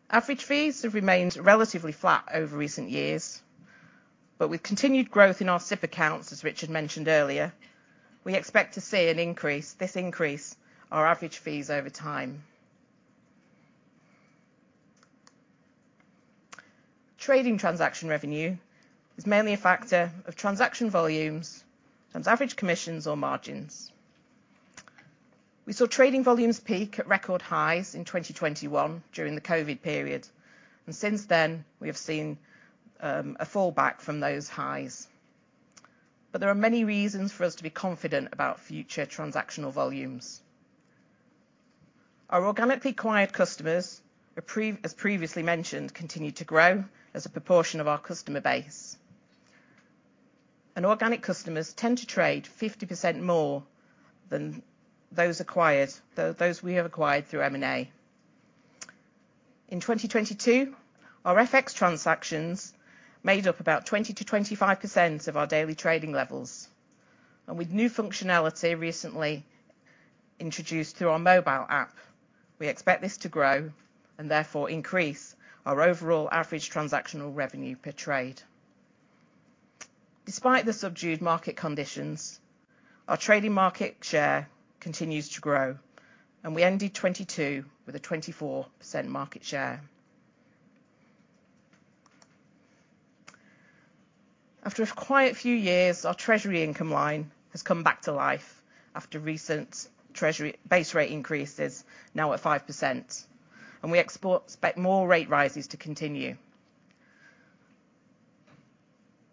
Average fees have remained relatively flat over recent years, but with continued growth in our SIPP accounts, as Richard mentioned earlier, we expect to see this increase our average fees over time. Trading transaction revenue is mainly a factor of transaction volumes and average commissions or margins. We saw trading volumes peak at record highs in 2021 during the COVID period. Since then, we have seen a fall back from those highs. There are many reasons for us to be confident about future transactional volumes. Our organically acquired customers, as previously mentioned, continue to grow as a proportion of our customer base. Organic customers tend to trade 50% more than those acquired, those we have acquired through M&A. In 2022, our FX transactions made up about 20%-25% of our daily trading levels. With new functionality recently introduced through our mobile app, we expect this to grow and therefore increase our overall average transactional revenue per trade. Despite the subdued market conditions, our trading market share continues to grow. We ended 22 with a 24% market share. After a quiet few years, our treasury income line has come back to life after recent treasury base rate increases, now at 5%. We expect more rate rises to continue.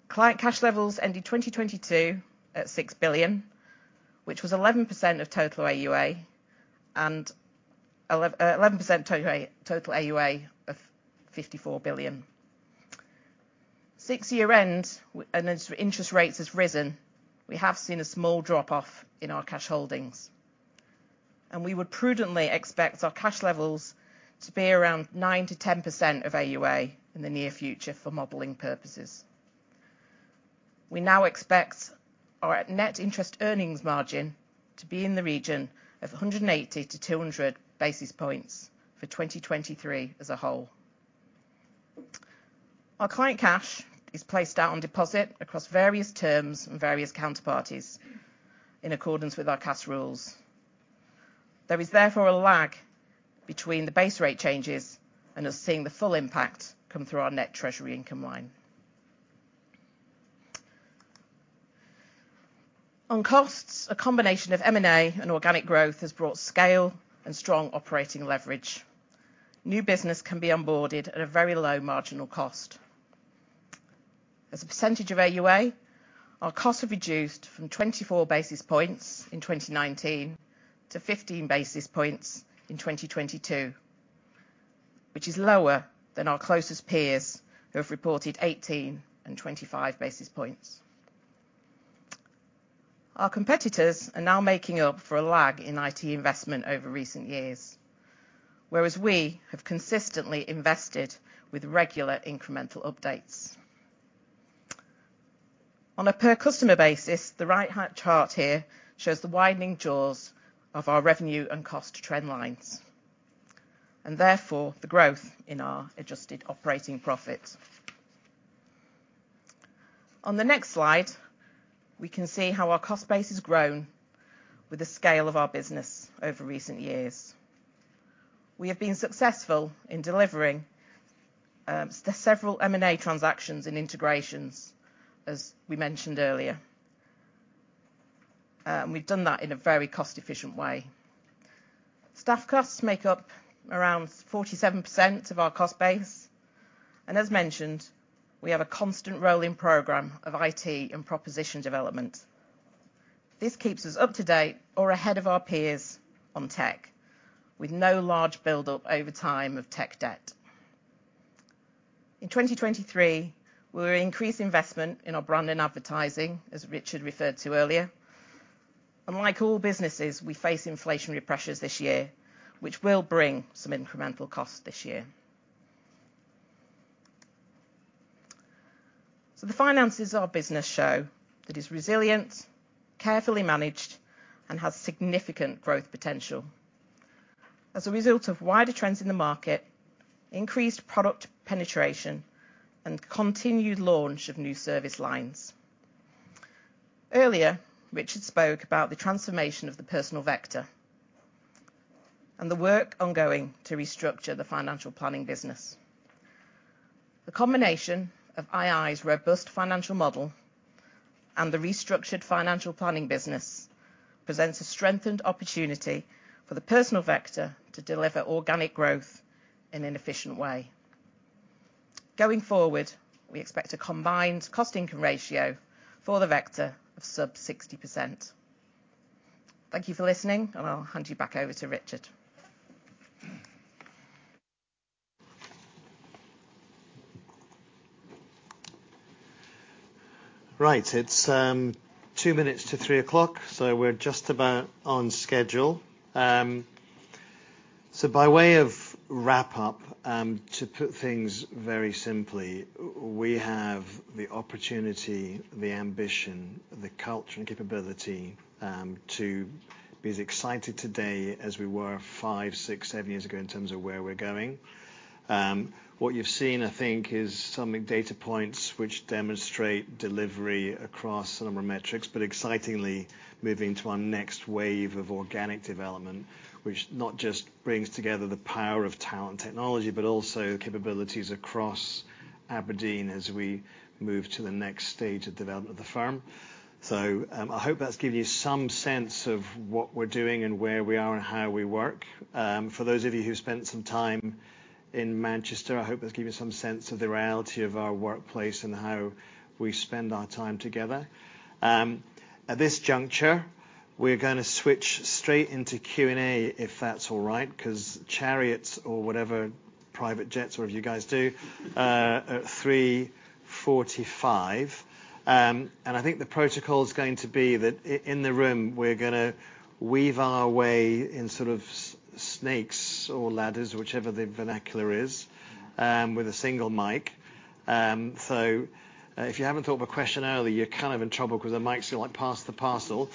Client cash levels ended 2022 at 6 billion, which was 11% of total AUA, and 11% total AUA of 54 billion. Six-year end, and as interest rates have risen, we have seen a small drop-off in our cash holdings. We would prudently expect our cash levels to be around 9%-10% of AUA in the near future for modeling purposes. We now expect our net interest earnings margin to be in the region of 180 to 200 basis points for 2023 as a whole. Our client cash is placed out on deposit across various terms and various counterparties, in accordance with our cash rules. There is therefore a lag between the base rate changes and us seeing the full impact come through our net treasury income line. On costs, a combination of M&A and organic growth has brought scale and strong operating leverage. New business can be onboarded at a very low marginal cost. As a percentage of AUA, our costs have reduced from 24 basis points in 2019 to 15 basis points in 2022, which is lower than our closest peers, who have reported 18 and 25 basis points. Our competitors are now making up for a lag in IT investment over recent years, whereas we have consistently invested with regular incremental updates. On a per-customer basis, the right chart here shows the widening jaws of our revenue and cost trend lines, and therefore the growth in our adjusted operating profit. On the next slide, we can see how our cost base has grown with the scale of our business over recent years. We have been successful in delivering several M&A transactions and integrations, as we mentioned earlier. We've done that in a very cost-efficient way. Staff costs make up around 47% of our cost base, and as mentioned, we have a constant rolling program of IT and proposition development. This keeps us up to date or ahead of our peers on tech, with no large buildup over time of tech debt. In 2023, we're increasing investment in our brand and advertising, as Richard referred to earlier. Like all businesses, we face inflationary pressures this year, which will bring some incremental costs this year. The finances of our business show that it's resilient, carefully managed, and has significant growth potential as a result of wider trends in the market, increased product penetration, and continued launch of new service lines. Earlier, Richard spoke about the transformation of the Personal Vector and the work ongoing to restructure the financial planning business. The combination of ii's robust financial model and the restructured financial planning business presents a strengthened opportunity for the Personal Vector to deliver organic growth in an efficient way. Going forward, we expect a combined cost-income ratio for the Vector of sub 60%. Thank you for listening, and I'll hand you back over to Richard. Right. It's 2 minutes to 3 o'clock, so we're just about on schedule. By way of wrap-up, to put things very simply, we have the opportunity, the ambition, the culture, and capability; to be as excited today as we were five, six, seven years ago in terms of where we're going. What you've seen, I think, is some data points which demonstrate delivery across a number of metrics, but excitingly, moving to our next wave of organic development, which not just brings together the power of talent technology, but also capabilities across Aberdeen as we move to the next stage of development of the firm. I hope that's given you some sense of what we're doing and where we are and how we work. For those of you who spent some time in Manchester, I hope that's given you some sense of the reality of our workplace and how we spend our time together. At this juncture, we're gonna switch straight into Q&A, if that's all right, 'cause chariots or whatever private jets or of you guys do at 3:45 P.M. I think the protocol is going to be that in the room, we're gonna weave our way in sort of snakes or ladders, whichever the vernacular is, with a single mic. If you haven't thought of a question earlier, you're kind of in trouble because the mic's gonna, like, pass the parcel.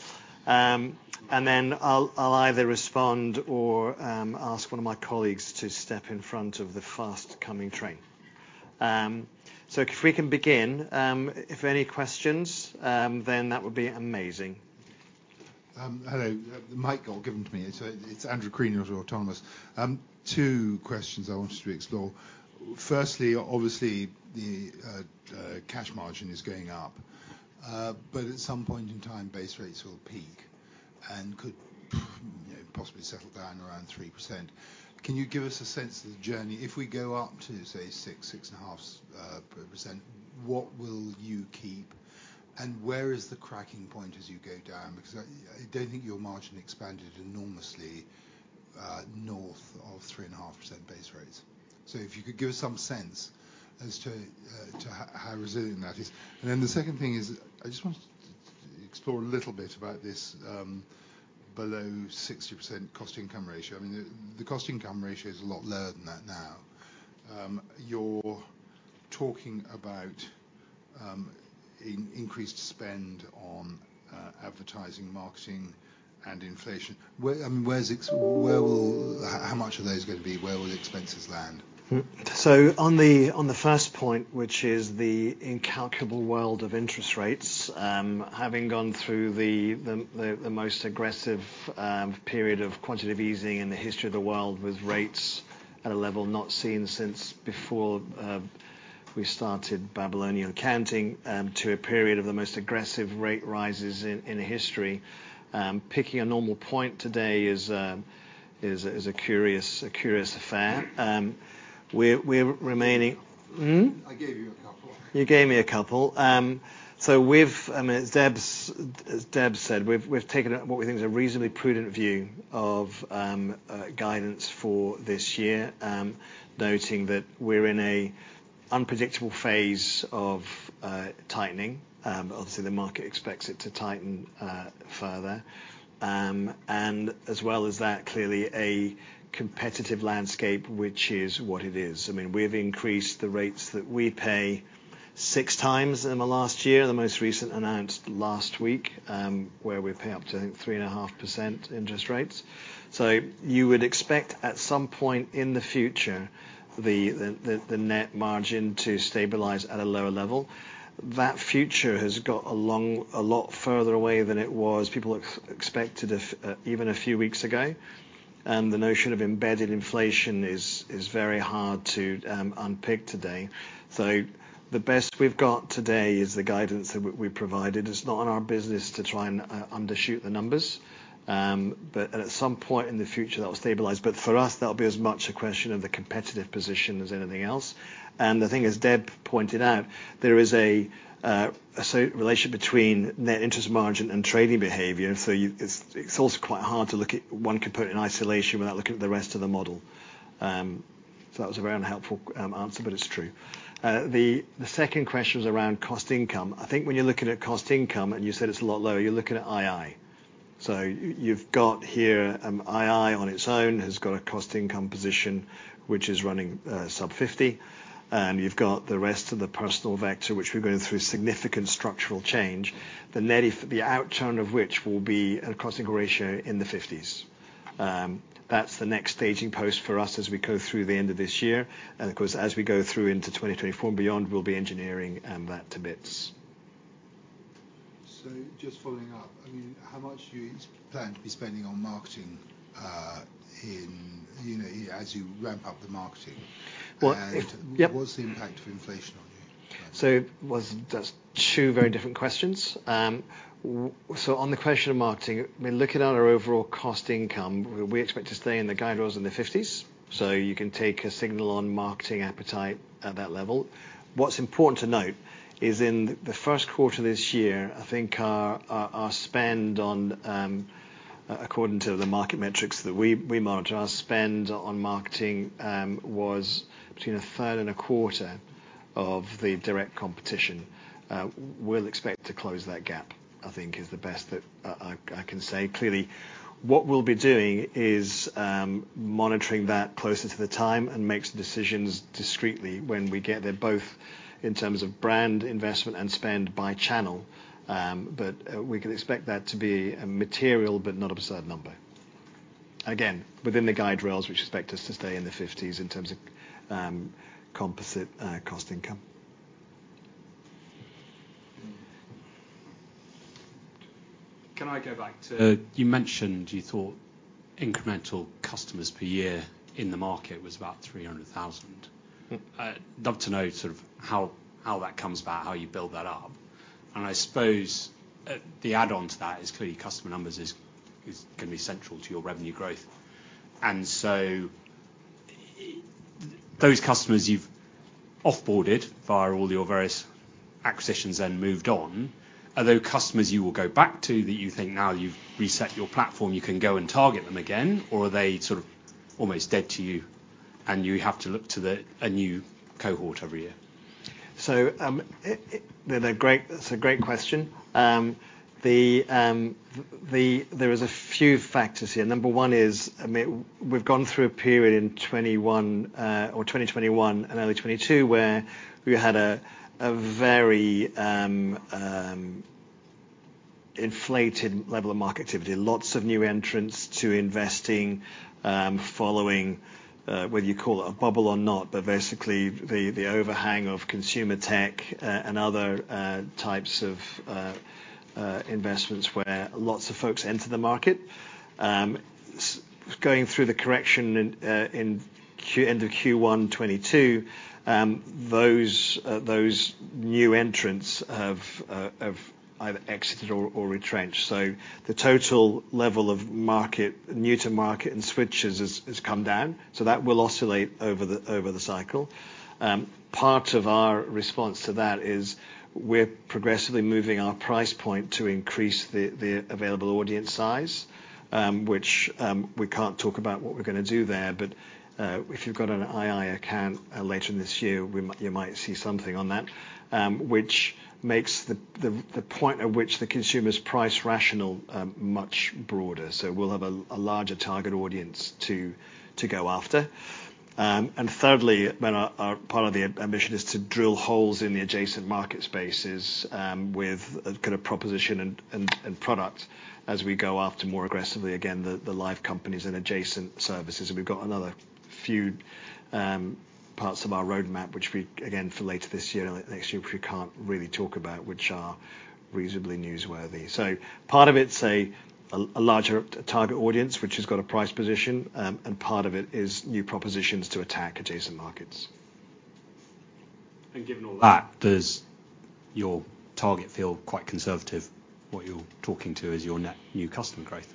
I'll either respond or ask one of my colleagues to step in front of the fast-coming train. If we can begin, if any questions, that would be amazing. Hello. The mic got given to me. It's Andrew Green at Autonomous. Two questions I wanted to explore. Firstly, obviously, the cash margin is going up, but at some point in time, base rates will peak and could, you know, possibly settle down around 3%. Can you give us a sense of the journey? If we go up to, say, 6-6.5%, what will you keep, and where is the cracking point as you go down? I don't think your margin expanded enormously north of 3.5% base rates. If you could give us some sense as to how resilient that is. The second thing is, I just want to explore a little bit about this below 60% cost income ratio. I mean, the cost income ratio is a lot lower than that now. Increased spend on advertising, marketing, and inflation. Where, I mean, how much are those gonna be? Where will the expenses land? On the first point, which is the incalculable world of interest rates, having gone through the most aggressive period of quantitative easing in the history of the world, with rates at a level not seen since before we started Babylonian accounting, to a period of the most aggressive rate rises in history. Picking a normal point today is a curious affair. We're remaining... I gave you a couple. You gave me a couple. I mean, as Debs, as Deb said, we've taken what we think is a reasonably prudent view of guidance for this year. Obviously, the market expects it to tighten further. As well as that, clearly a competitive landscape, which is what it is. I mean, we've increased the rates that we pay six times in the last year, the most recent announced last week, where we pay up to, I think, 3.5% interest rates. You would expect, at some point in the future, the net margin to stabilize at a lower level. That future has got along a lot further away than it was... People expected even a few weeks ago, and the notion of embedded inflation is very hard to unpick today. The best we've got today is the guidance that we provided. It's not in our business to try and undershoot the numbers. At some point in the future, that will stabilize. For us, that'll be as much a question of the competitive position as anything else. The thing, as Deb pointed out, there is a so- relationship between net interest margin and trading behavior, so it's also quite hard to look at. One can put it in isolation without looking at the rest of the model. That was a very unhelpful answer, but it's true. The second question was around cost income. I think when you're looking at cost income, and you said it's a lot lower, you're looking at II. You've got here, II on its own, has got a cost income position, which is running, sub-50. You've got the rest of the Personal Vector, which we're going through significant structural change. The outturn of which will be a costing ratio in the 50s. That's the next staging post for us as we go through the end of this year. Of course, as we go through into 2024 and beyond, we'll be engineering that to bits. Just following up, I mean, how much do you plan to be spending on marketing, in, you know, as you ramp up the marketing? Well, yep. What's the impact of inflation on you? That's two very different questions. On the question of marketing, I mean, looking at our overall cost income, we expect to stay in the guide rails in the fifties, so you can take a signal on marketing appetite at that level. What's important to note is in the first quarter this year, I think our spend on, according to the market metrics that we monitor, our spend on marketing was between a third and a quarter of the direct competition. We'll expect to close that gap, I think is the best that I can say. Clearly, what we'll be doing is monitoring that closer to the time and makes decisions discreetly when we get there, both in terms of brand investment and spend by channel. We can expect that to be a material, but not absurd number. Again, within the guide rails, we expect us to stay in the 50s in terms of composite cost income. Can I go back to... You mentioned you thought incremental customers per year in the market was about 300,000. I'd love to know sort of how that comes about, how you build that up. I suppose, the add on to that is clearly customer numbers is gonna be central to your revenue growth. Those customers you've off-boarded via all your various acquisitions and moved on, are those customers you will go back to, that you think now you've reset your platform, you can go and target them again? Are they sort of almost dead to you, and you have to look to a new cohort every year? that's a great question. there is a few factors here. Number one is, I mean, we've gone through a period in 2021, or 2021 and early 2022, where we had a very inflated level of market activity. Lots of new entrants to investing, following whether you call it a bubble or not, but basically, the overhang of consumer tech, and other types of investments, where lots of folks entered the market. going through the correction in end of Q1 2022, those new entrants have either exited or retrenched. So the total level of market, new to market and switches has come down, so that will oscillate over the cycle. Part of our response to that is we're progressively moving our price point to increase the available audience size, which we can't talk about what we're gonna do there, but if you've got an ii account later this year, you might see something on that, which makes the point at which the consumer's price rational much broader. We'll have a larger target audience to go after. Thirdly, when our part of the ambition is to drill holes in the adjacent market spaces, with a kind of proposition and product as we go after more aggressively, again, the live companies and adjacent services. We've got another few parts of our roadmap, which we again, for later this year, next year, we can't really talk about, which are reasonably newsworthy. Part of it's a larger target audience, which has got a price position, and part of it is new propositions to attack adjacent markets. Given all that, does your target feel quite conservative, what you're talking to as your net new customer growth?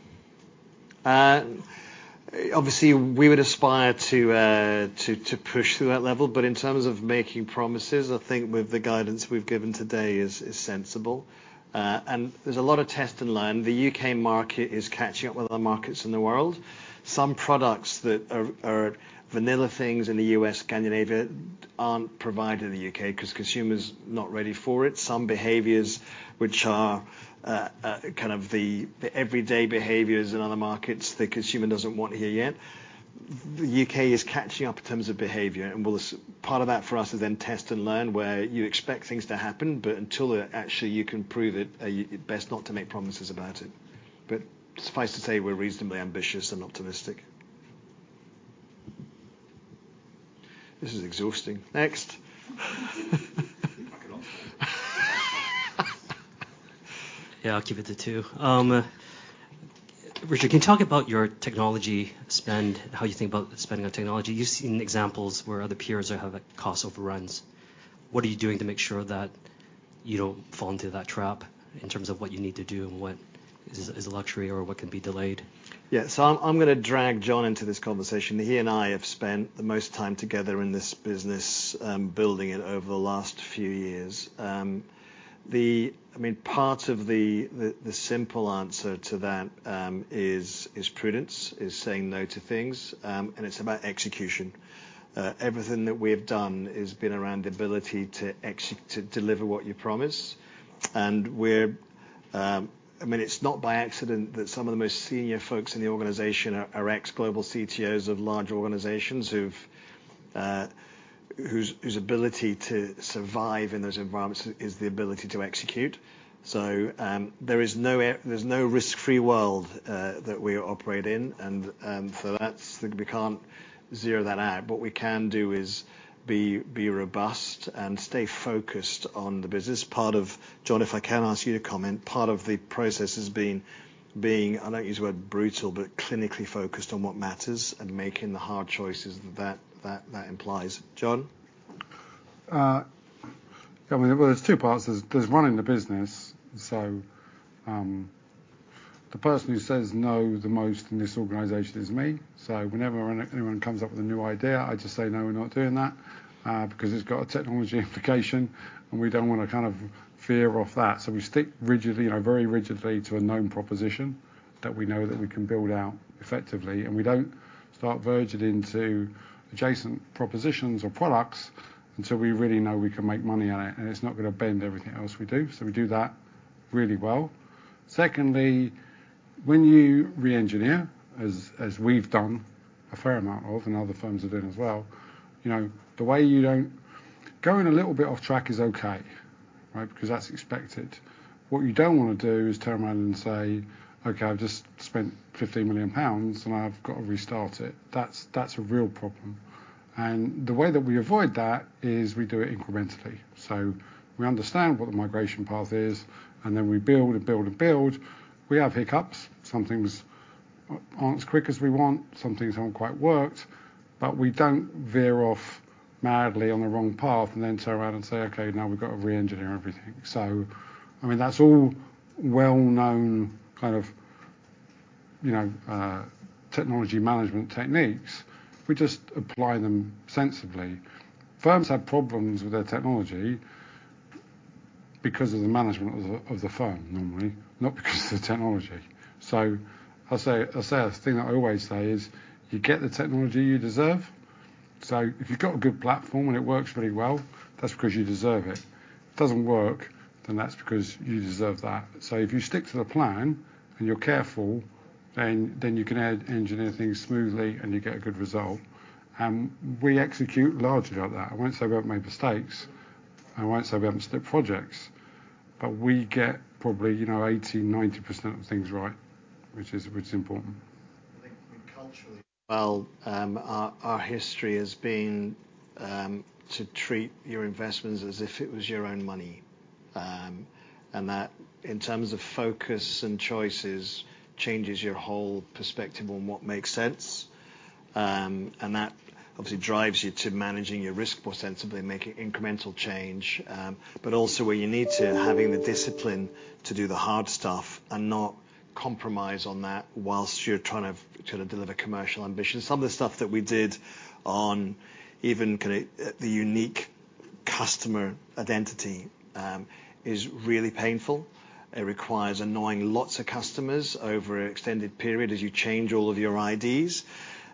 Obviously, we would aspire to push through that level. In terms of making promises, I think with the guidance we've given today is sensible. There's a lot of test and learn. The U.K. market is catching up with other markets in the world. Some products that are vanilla things in the U.S., Scandinavia, aren't provided in the U.K. because consumers are not ready for it. Some behaviors which are kind of the everyday behaviors in other markets, the consumer doesn't want to hear yet. The U.K. is catching up in terms of behavior, and part of that for us is then test and learn, where you expect things to happen, but until it actually you can prove it, you're best not to make promises about it. Suffice to say, we're reasonably ambitious and optimistic. This is exhausting. Next. Back it off. Yeah, I'll keep it to two. Richard, can you talk about your technology spend? How you think about spending on technology? You've seen examples where other peers have had cost overruns. What are you doing to make sure that you don't fall into that trap, in terms of what you need to do and what is a luxury or what can be delayed? Yeah. I'm gonna drag John Tumilty into this conversation. He and I have spent the most time together in this business, building it over the last few years. The... I mean, part of the, the simple answer to that, is prudence, is saying no to things. It's about execution. Everything that we have done has been around the ability to deliver what you promise. We're... I mean, it's not by accident that some of the most senior folks in the organization are ex-global CTOs of large organizations who've, whose ability to survive in those environments is the ability to execute. There is no risk-free world, that we operate in. That's, we can't zero that out. What we can do is be robust and stay focused on the business. Part of John, if I can ask you to comment. Part of the process has been, being, I don't want to use the word brutal, but clinically focused on what matters and making the hard choices that implies. John? I mean, there's two parts. There's running the business. The person who says no, the most in this organization is me. Whenever anyone comes up with a new idea, I just say, "No, we're not doing that," because it's got a technology implication, and we don't want to kind of veer off that. We stick rigidly, you know, very rigidly to a known proposition that we know that we can build out effectively, and we don't start verging into adjacent propositions or products until we really know we can make money on it, and it's not gonna bend everything else we do. We do that really well. Secondly, when you re-engineer, as we've done a fair amount of, and other firms have done as well, you know, the way you don't going a little bit off track is okay, right? Because that's expected. What you don't want to do is turn around and say, "Okay, I've just spent 15 million pounds, and I've got to restart it." That's a real problem, the way that we avoid that is we do it incrementally. We understand what the migration path is, then we build and build and build. We have hiccups. Some things aren't as quick as we want, some things haven't quite worked, we don't veer off madly on the wrong path then turn around and say, "Okay, now we've got to re-engineer everything." I mean, that's all well-known, kind of, you know, technology management techniques. We just apply them sensibly. Firms have problems with their technology because of the management of the firm, normally, not because of the technology. I'll say, a thing I always say is, "You get the technology you deserve." If you've got a good platform and it works really well, that's because you deserve it. If it doesn't work, then that's because you deserve that. If you stick to the plan and you're careful, then you can engineer things smoothly, and you get a good result. We execute largely like that. I won't say we haven't made mistakes, I won't say we haven't slipped projects, but we get probably, you know, 80%, 90% of things right, which is important. I think culturally, well, our history has been to treat your investments as if it was your own money. That, in terms of focus and choices, changes your whole perspective on what makes sense. That obviously drives you to managing your risk more sensibly, making incremental change. Also where you need to, having the discipline to do the hard stuff and not compromise on that while you're trying to deliver commercial ambition. Some of the stuff that we did on even kind of, the unique customer identity, is really painful. It requires annoying lots of customers over an extended period as you change all of your IDs,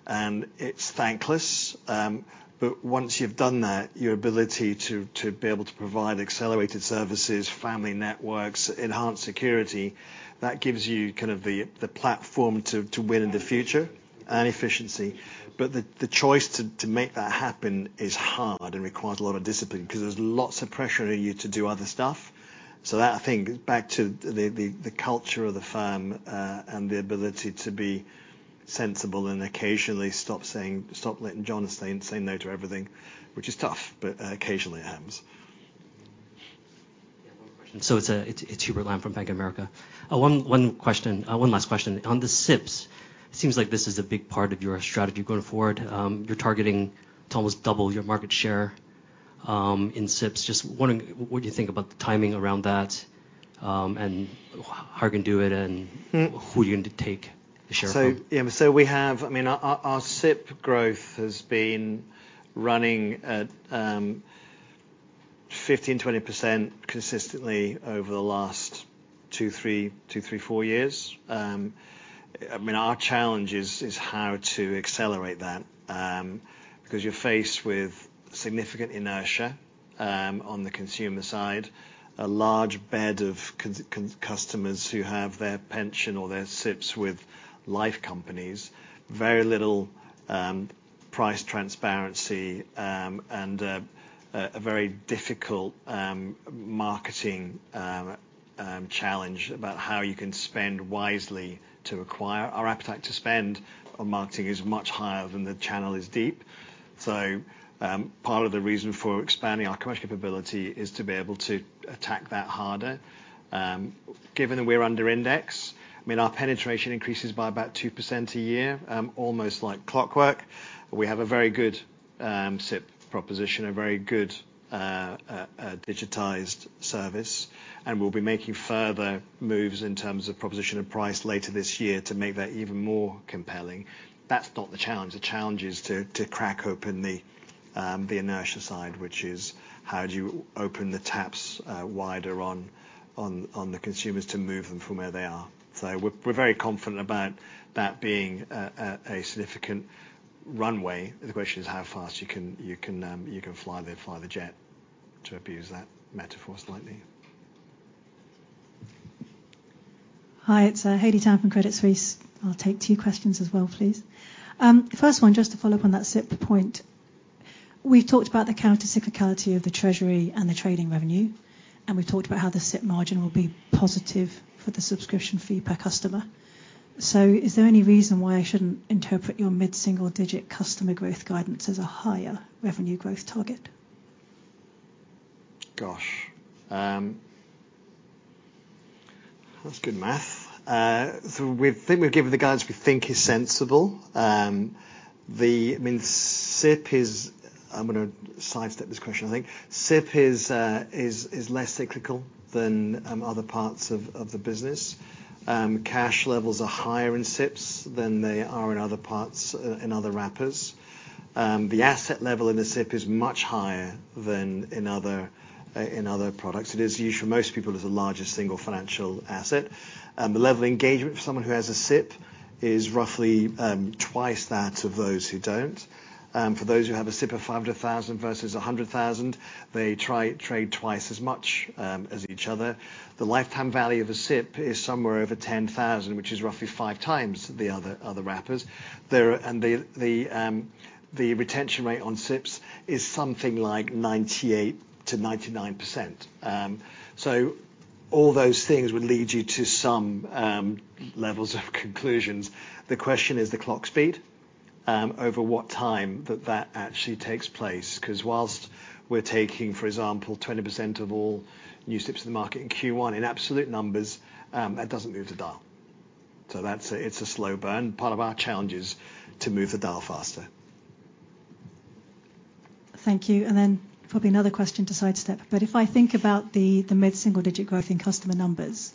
and it's thankless. Once you've done that, your ability to be able to provide accelerated services, family networks, enhanced security, that gives you kind of the platform to win in the future and efficiency. The choice to make that happen is hard and requires a lot of discipline, because there's lots of pressure on you to do other stuff. That, I think, back to the culture of the firm, and the ability to be sensible and occasionally stop letting John say no to everything, which is tough, but occasionally it happens. Yeah, one more question. It's Hubert Lam from Bank of America. One last question. On the SIPPs, it seems like this is a big part of your strategy going forward. You're targeting to almost double your market share in SIPPs. Just wondering, what do you think about the timing around that and how you're going to do it. who you're going to take the share from? Yeah, so we have I mean, our SIPP growth has been running at 15%-20% consistently over the last two, three, four years. I mean, our challenge is how to accelerate that. Because you're faced with significant inertia on the consumer side. A large bed of customers who have their pension or their SIPPs with life companies. Very little price transparency and a very difficult marketing challenge about how you can spend wisely to acquire. Our appetite to spend on marketing is much higher than the channel is deep. Part of the reason for expanding our commercial capability is to be able to attack that harder. Given that we're under index, I mean, our penetration increases by about 2% a year almost like clockwork. We have a very good SIPP proposition, a very good digitized service, and we'll be making further moves in terms of proposition and price later this year to make that even more compelling. That's not the challenge. The challenge is to crack open the inertia side, which is how do you open the taps wider on the consumers to move them from where they are? We're very confident about that being a significant runway. The question is how fast you can fly the jet, to abuse that metaphor slightly. Hi, it's Haley Tam from UBS. I'll take two questions as well, please. The first one, just to follow up on that SIPP point. We've talked about the counter cyclicality of the treasury and the trading revenue, and we've talked about how the SIPP margin will be positive for the subscription fee per customer. Is there any reason why I shouldn't interpret your mid-single-digit customer growth guidance as a higher revenue growth target? Gosh! That's good math. I think we've given the guidance we think is sensible. I mean, SIPP is ,I'm gonna sidestep this question, I think. SIPP is less cyclical than other parts of the business. Cash levels are higher in SIPPs than they are in other parts, in other wrappers. The asset level in the SIPP is much higher than in other products. It is usually, for most people, the largest single financial asset. The level of engagement for someone who has a SIPP is roughly twice that of those who don't. Those who have a SIPP of 5 to 1,000 versus 100,000, trade twice as much as each other. The lifetime value of a SIPP is somewhere over 10,000, which is roughly 5 times the other wrappers. The retention rate on SIPPs is something like 98%-99%. All those things would lead you to some levels of conclusions. The question is the clock speed over what time that actually takes place. 'Cause whilst we're taking, for example, 20% of all new SIPPs in the market in Q1, in absolute numbers, that doesn't move the dial. It's a slow burn. Part of our challenge is to move the dial faster. Thank you. Then probably another question to sidestep, but if I think about the mid-single digit growth in customer numbers,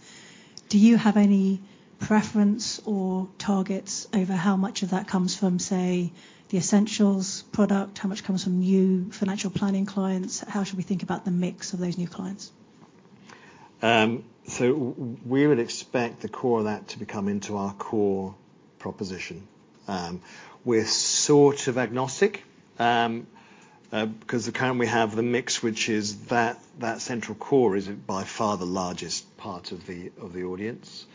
do you have any preference or targets over how much of that comes from, say, the essentials product? How much comes from new financial planning clients? How should we think about the mix of those new clients? We would expect the core of that to be coming to our core proposition. We're sort of agnostic because currently we have the mix, which is that central core is by far the largest part of the audience.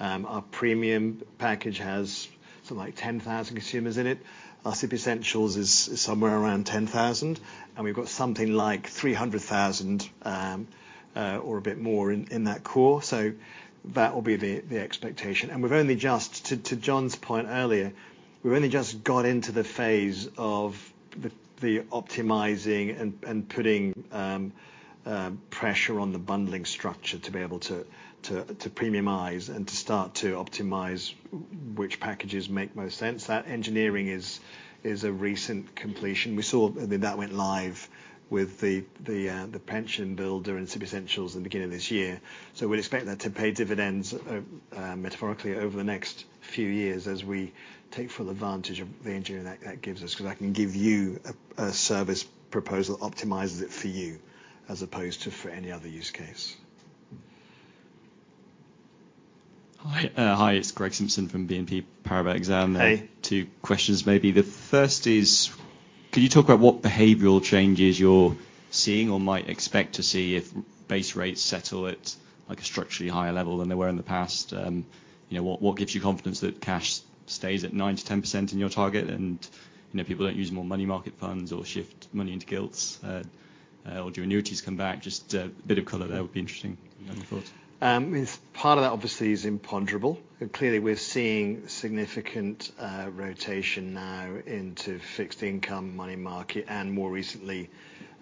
Our premium package has something like 10,000 consumers in it. Our Pension Essentials is somewhere around 10,000, and we've got something like 300,000, or a bit more in that core. That will be the expectation. We've only just, to John's point earlier, we've only just got into the phase of the optimizing and putting pressure on the bundling structure to be able to premiumize and to start to optimize which packages make most sense. That engineering is a recent completion. We saw, I mean, that went live with the Pension Builder in Pension Essentials in the beginning of this year. We'd expect that to pay dividends metaphorically over the next few years as we take full advantage of the engineering that gives us, 'cause I can give you a service proposal, optimizes it for you as opposed to for any other use case. ... Hi, it's Greg Simpson from BNP Paribas Exane. Hey. Two questions maybe. The first is, could you talk about what behavioral changes you're seeing or might expect to see if base rates settle at, like, a structurally higher level than they were in the past? What gives you confidence that cash stays at 9%-10% in your target, and people don't use more money market funds or shift money into gilts or do annuities come back? Just a bit of color there would be interesting. Part of that, obviously, is imponderable. Clearly, we're seeing significant rotation now into fixed income, money market, and more recently,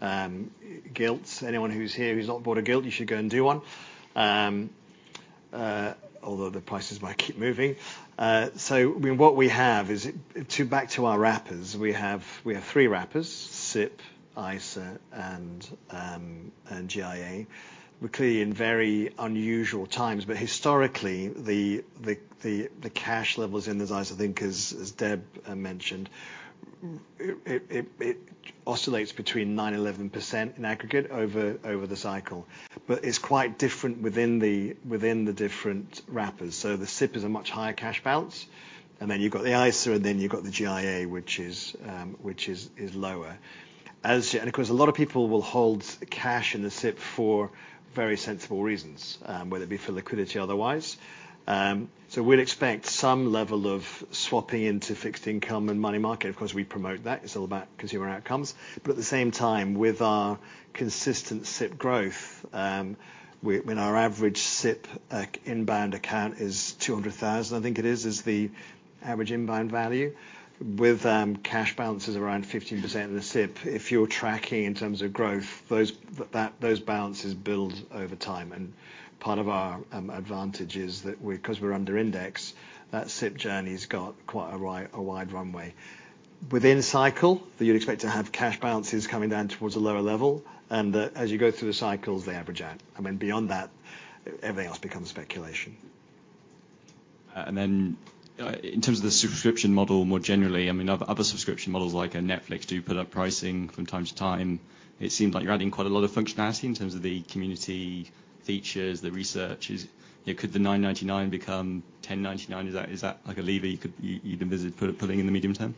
gilts. Anyone who's here who's not bought a gilt, you should go and do one. Although the prices might keep moving. I mean, to back to our wrappers, we have 3 wrappers: SIPP, ISA, and GIA. We're clearly in very unusual times, but historically, the cash levels in those ISAs, I think, as Deb mentioned, it oscillates between 9% and 11% in aggregate over the cycle, but it's quite different within the different wrappers. The SIPP is a much higher cash balance, and then you've got the ISA, and then you've got the GIA, which is lower. Of course, a lot of people will hold cash in the SIPP for very sensible reasons, whether it be for liquidity or otherwise. We'll expect some level of swapping into fixed income and money market. Of course, we promote that. It's all about consumer outcomes, but at the same time, with our consistent SIPP growth, when our average SIPP inbound account is 200,000, I think it is the average inbound value, with cash balances around 15% of the SIPP. If you're tracking in terms of growth, those balances build over time, part of our advantage is that we, because we're under index, that SIPP journey's got quite a wide runway. Within cycle, you'd expect to have cash balances coming down towards a lower level, and as you go through the cycles, they average out. I mean, beyond that, everything else becomes speculation. In terms of the subscription model, more generally, I mean, other subscription models, like a Netflix, do put up pricing from time to time. It seems like you're adding quite a lot of functionality in terms of the community features, the research. Is, you know, could the 9.99 become 10.99? Is that, like, a lever you could, you'd envision pulling in the medium term?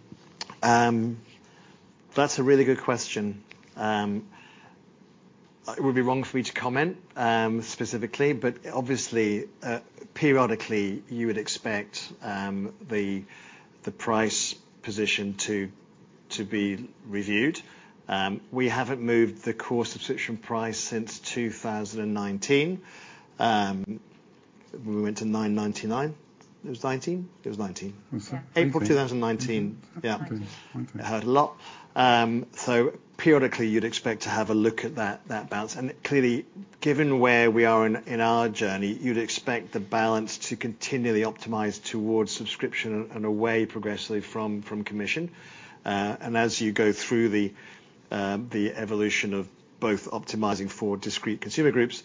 That's a really good question. It would be wrong for me to comment specifically, but obviously, periodically, you would expect the price position to be reviewed. We haven't moved the core subscription price since 2019. We went to 9.99. It was 2019? It was 2019. April 2019. Okay. It had a lot. Periodically, you'd expect to have a look at that balance, and clearly, given where we are in our journey, you'd expect the balance to continually optimize towards subscription and away progressively from commission. As you go through the evolution of both optimizing for discrete consumer groups,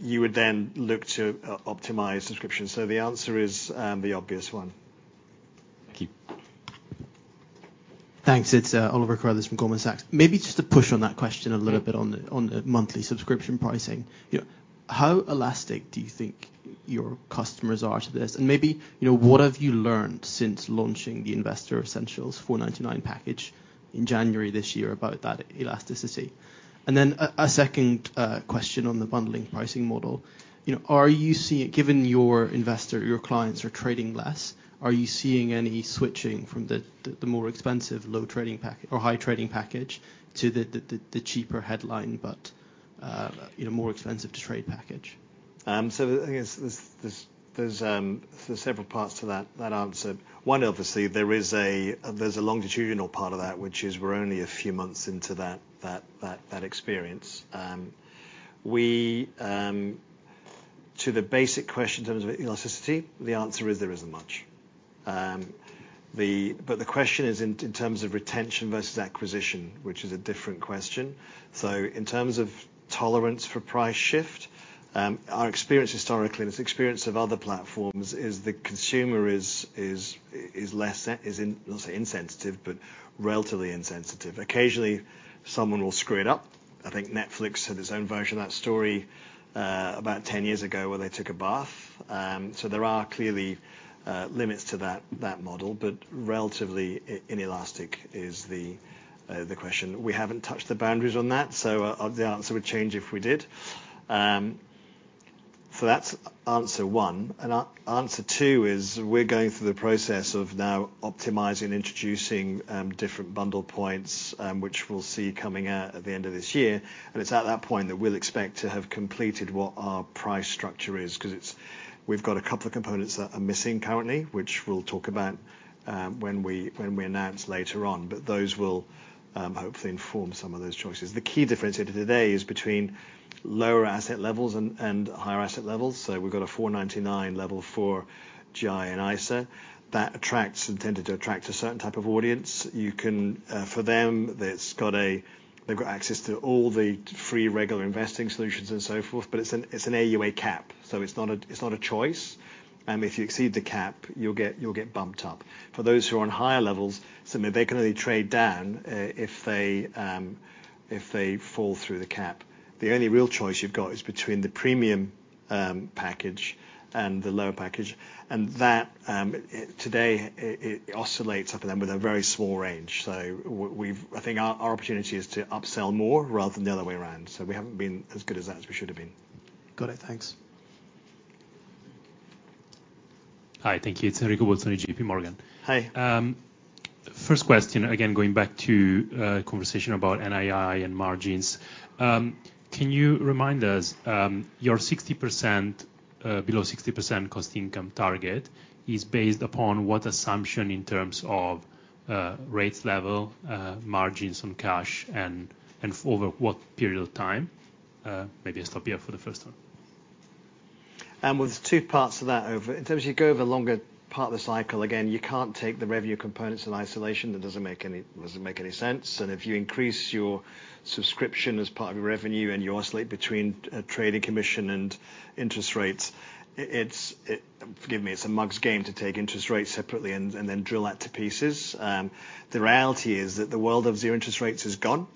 you would then look to optimize subscription. The answer is the obvious one. Thank you. Thanks. It's Oliver Carruthers from Goldman Sachs. Maybe just to push on that question a little bit. Yeah. On the monthly subscription pricing. You know, how elastic do you think your customers are to this? Maybe, you know, what have you learned since launching the Investor Essentials 4.99 package in January this year about that elasticity? Then a second question on the bundling pricing model. You know, are you seeing Given your investor, your clients are trading less, are you seeing any switching from the more expensive, low trading pack or high trading package to the cheaper headline, but, you know, more expensive to trade package? I guess there's several parts to that answer. One, obviously, there's a longitudinal part of that, which is we're only a few months into that experience. We, to the basic question in terms of elasticity, the answer is there isn't much. The question is in terms of retention versus acquisition, which is a different question. In terms of tolerance for price shift, our experience historically, and it's experience of other platforms, is the consumer is less I'll say insensitive, but relatively insensitive. Occasionally, someone will screw it up. I think Netflix had its own version of that story, about 10 years ago, where they took a bath. There are clearly limits to that model, but relatively inelastic is the question. We haven't touched the boundaries on that, the answer would change if we did. That's answer one, answer two is we're going through the process of now optimizing, introducing different bundle points, which we'll see coming out at the end of this year. It's at that point that we'll expect to have completed what our price structure is, 'cause we've got a couple of components that are missing currently, which we'll talk about when we announce later on, but those will hopefully inform some of those choices. The key difference here today is between lower asset levels and higher asset levels. We've got a 4.99 level for GI and ISA. That intended to attract a certain type of audience. You can, for them, they've got access to all the free, regular investing solutions and so forth, but it's an, it's an AUA cap, so it's not a, it's not a choice. If you exceed the cap, you'll get bumped up. For those who are on higher levels, so maybe they can only trade down, if they fall through the cap, the only real choice you've got is between the premium package and the lower package, and that, today, it oscillates up and down with a very small range. I think our opportunity is to upsell more rather than the other way around, so we haven't been as good as that as we should have been. Got it. Thanks. Hi, thank you. It's Enrico Bolzoni, JPMorgan. Hi. First question, again, going back to conversation about NII and margins. Can you remind us, your 60% below 60% cost income target is based upon what assumption in terms of rates level, margins on cash and over what period of time? Maybe I'll stop here for the first one. Well, there's two parts to that. In terms, you go over the longer part of the cycle, again, you can't take the revenue components in isolation. That doesn't make any sense. If you increase your subscription as part of your revenue, and you oscillate between trade and commission and interest rates, it's, forgive me, it's a mug's game to take interest rates separately and then drill that to pieces. The reality is that the world of zero interest rates is gone,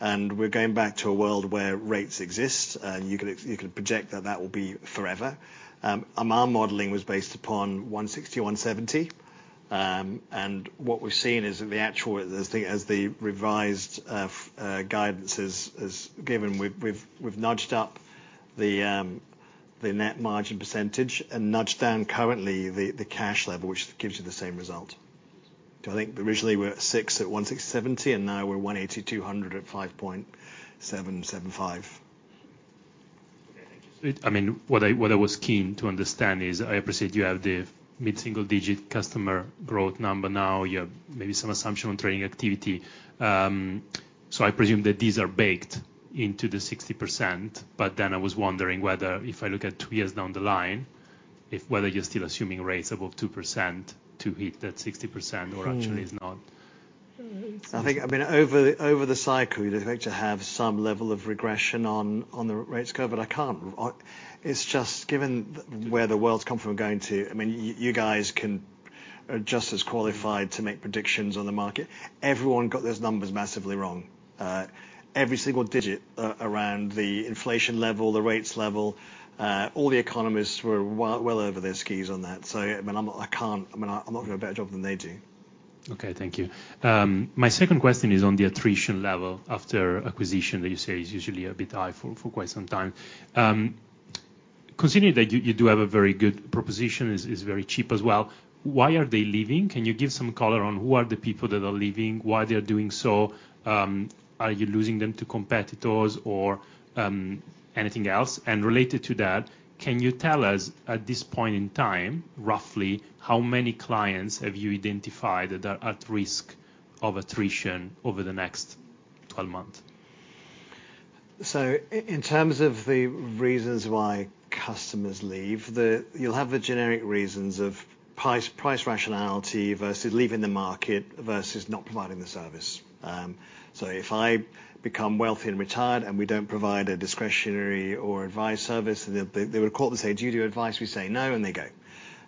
and we're going back to a world where rates exist, and you can project that that will be forever. Our modeling was based upon 160, 170. And what we've seen is that the actual, as the, as the revised guidance is given, we've nudged up the net margin % and nudged down currently the cash level, which gives you the same result. I think originally we were at 6%, at 160, 70, and now we're 180, 200 at 5.7%, 75%. I mean, what I was keen to understand is, I appreciate you have the mid-single digit customer growth number now, you have maybe some assumption on trading activity. I presume that these are baked into the 60%. I was wondering whether, if I look at two years down the line, if whether you're still assuming rates above 2% to hit that 60% or actually it's not? I think, I mean, over the cycle, you'd expect to have some level of regression on the rates curve, but I can't. It's just, given where the world's come from and going to, I mean, you guys can, are just as qualified to make predictions on the market. Everyone got those numbers massively wrong. Every single digit, around the inflation level, the rates level, all the economists were well over their skis on that. I mean, I'm, I can't. I mean, I'm not going to do a better job than they do. My second question is on the attrition level after acquisition, that you say is usually a bit high for quite some time. Considering that you do have a very good proposition, it's very cheap as well, why are they leaving? Can you give some color on who are the people that are leaving, why they're doing so? Are you losing them to competitors or anything else? Related to that, can you tell us, at this point in time, roughly, how many clients have you identified that are at risk of attrition over the next 12 months? In terms of the reasons why customers leave, the. You'll have the generic reasons of price rationality versus leaving the market, versus not providing the service. If I become wealthy and retired, and we don't provide a discretionary or advice service, they will call and say, "Do you do advice?" We say, "No," and they go.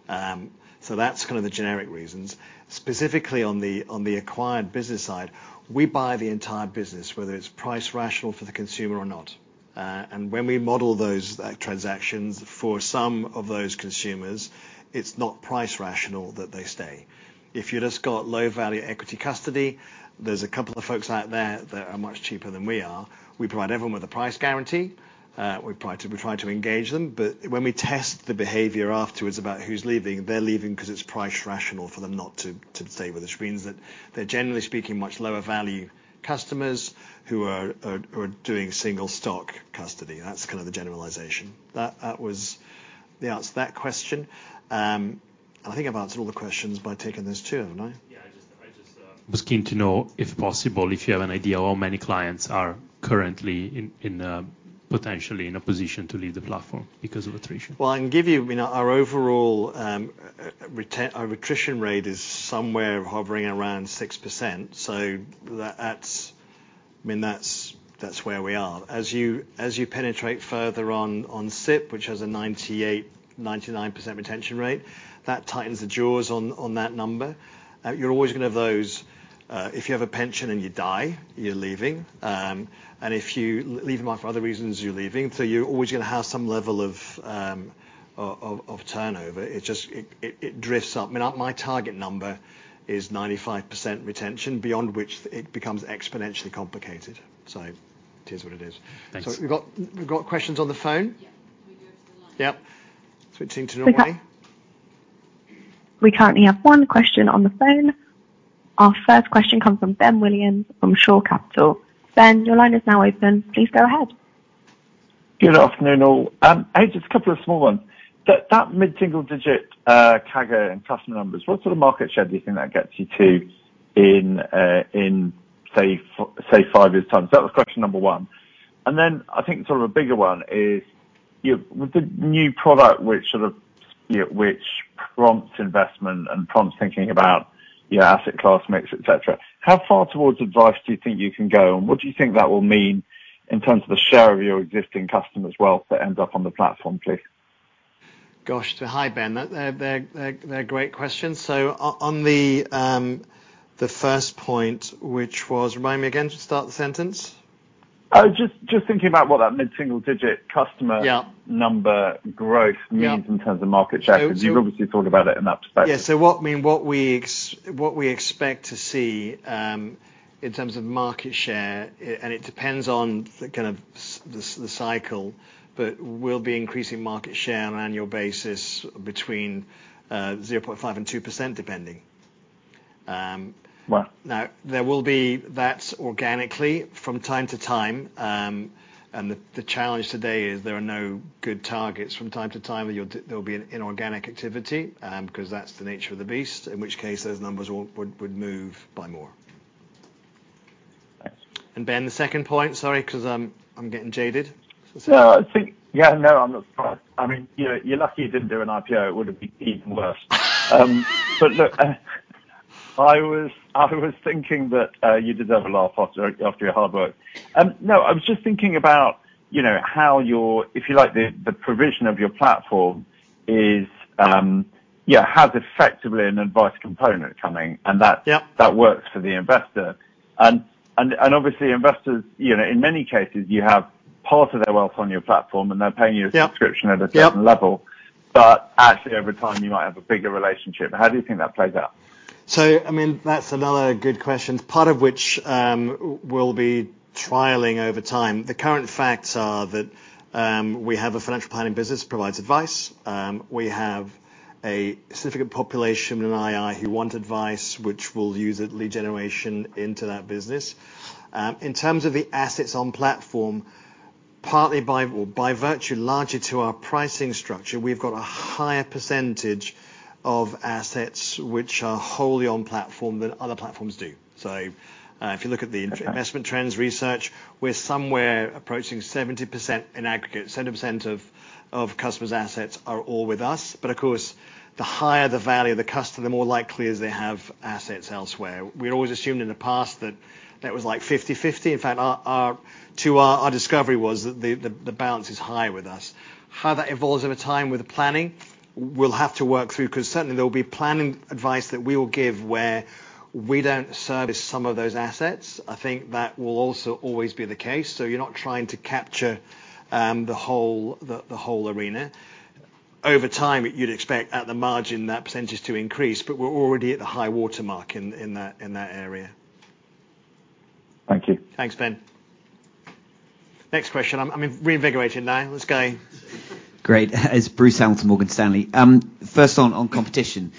That's kind of the generic reasons. Specifically on the acquired business side, we buy the entire business, whether it's price rational for the consumer or not. When we model those transactions, for some of those consumers, it's not price rational that they stay. If you've just got low-value equity custody, there's a couple of folks out there that are much cheaper than we are. We provide everyone with a price guarantee. We try to engage them, but when we test the behavior afterwards about who's leaving, they're leaving because it's price rational for them not to stay with us, which means that they're, generally speaking, much lower-value customers who are doing single stock custody. That's kind of the generalization. That was the answer to that question. I think I've answered all the questions by taking those two, haven't I? I just was keen to know, if possible, if you have an idea how many clients are currently in potentially in a position to leave the platform because of attrition? I can give you know, our overall Our attrition rate is somewhere hovering around 6%, that's, I mean, that's where we are. As you penetrate further on SIPP, which has a 98%-99% retention rate, that tightens the jaws on that number. You're always gonna have those, if you have a pension and you die, you're leaving. and if you leaving life for other reasons, you're leaving. You're always gonna have some level of turnover. It just, it drifts up. I mean, my target number is 95% retention, beyond which it becomes exponentially complicated. It is what it is. Thanks. We've got questions on the phone? Yeah, we go to the line. Yeah. Switching to Norway. We currently have one question on the phone. Our first question comes from Ben Williams from Shore Capital. Ben, your line is now open. Please go ahead. Good afternoon, all. Hey, just a couple of small ones. That mid-single digit CAGR in customer numbers, what sort of market share do you think that gets you to in, say, five years' time? That was question number one. Then, I think sort of a bigger one is, you know, with the new product which sort of, you know, which prompts investment and prompts thinking about your asset class mix, et cetera, how far towards advice do you think you can go? What do you think that will mean in terms of the share of your existing customers' wealth that ends up on the platform, please? Gosh, hi, Ben. That, they're great questions. On the first point, which was, remind me again to start the sentence? just thinking about what that mid-single digit customer- Yeah Number growth means. Yeah In terms of market share, because you obviously thought about it in that respect. Yeah, what, I mean, what we expect to see, in terms of market share, and it depends on the kind of the cycle, but we'll be increasing market share on an annual basis between 0.5% and 2%, depending. Right. Now, there will be, that's organically from time to time. The, the challenge today is there are no good targets from time to time, and there'll be an inorganic activity, 'cause that's the nature of the beast, in which case, those numbers would move by more. Thanks. Ben, the second point? Sorry, 'cause I'm getting jaded. No, I think, yeah, no, I'm not surprised. I mean, you're lucky you didn't do an IPO. It would have been even worse. Look, I was thinking that you deserve a laugh after your hard work. No, I was just thinking about, you know, how your, if you like, the provision of your platform is, yeah, has effectively an advice component coming. Yeah that works for the investor. Obviously investors, you know, in many cases you have part of their wealth on your platform, and they're paying you. Yep... a subscription at Yep certain level, but actually, over time, you might have a bigger relationship. How do you think that plays out? I mean, that's another good question, part of which we'll be trialing over time. The current facts are that we have a financial planning business, provides advice. We have a significant population in ii who want advice, which we'll use at lead generation into that business. In terms of the assets on platform, partly by, well, by virtue, largely to our pricing structure, we've got a higher % of assets which are wholly on platform than other platforms do. If you look at the- Okay... investment trends research, we're somewhere approaching 70% in aggregate. 70% of customers' assets are all with us. Of course, the higher the value of the customer, the more likely it is they have assets elsewhere. We'd always assumed in the past that that was, like, 50/50. In fact, our discovery was that the balance is higher with us. How that evolves over time with the planning, we'll have to work through, 'cause certainly there will be planning advice that we will give where we don't service some of those assets. I think that will also always be the case. You're not trying to capture the whole arena. Over time, you'd expect, at the margin, that percentage to increase. We're already at the high watermark in that area. Thank you. Thanks, Ben. Next question. I'm invigorated now. Let's go. Great. It's Bruce Hamilton, CVC. first on competition.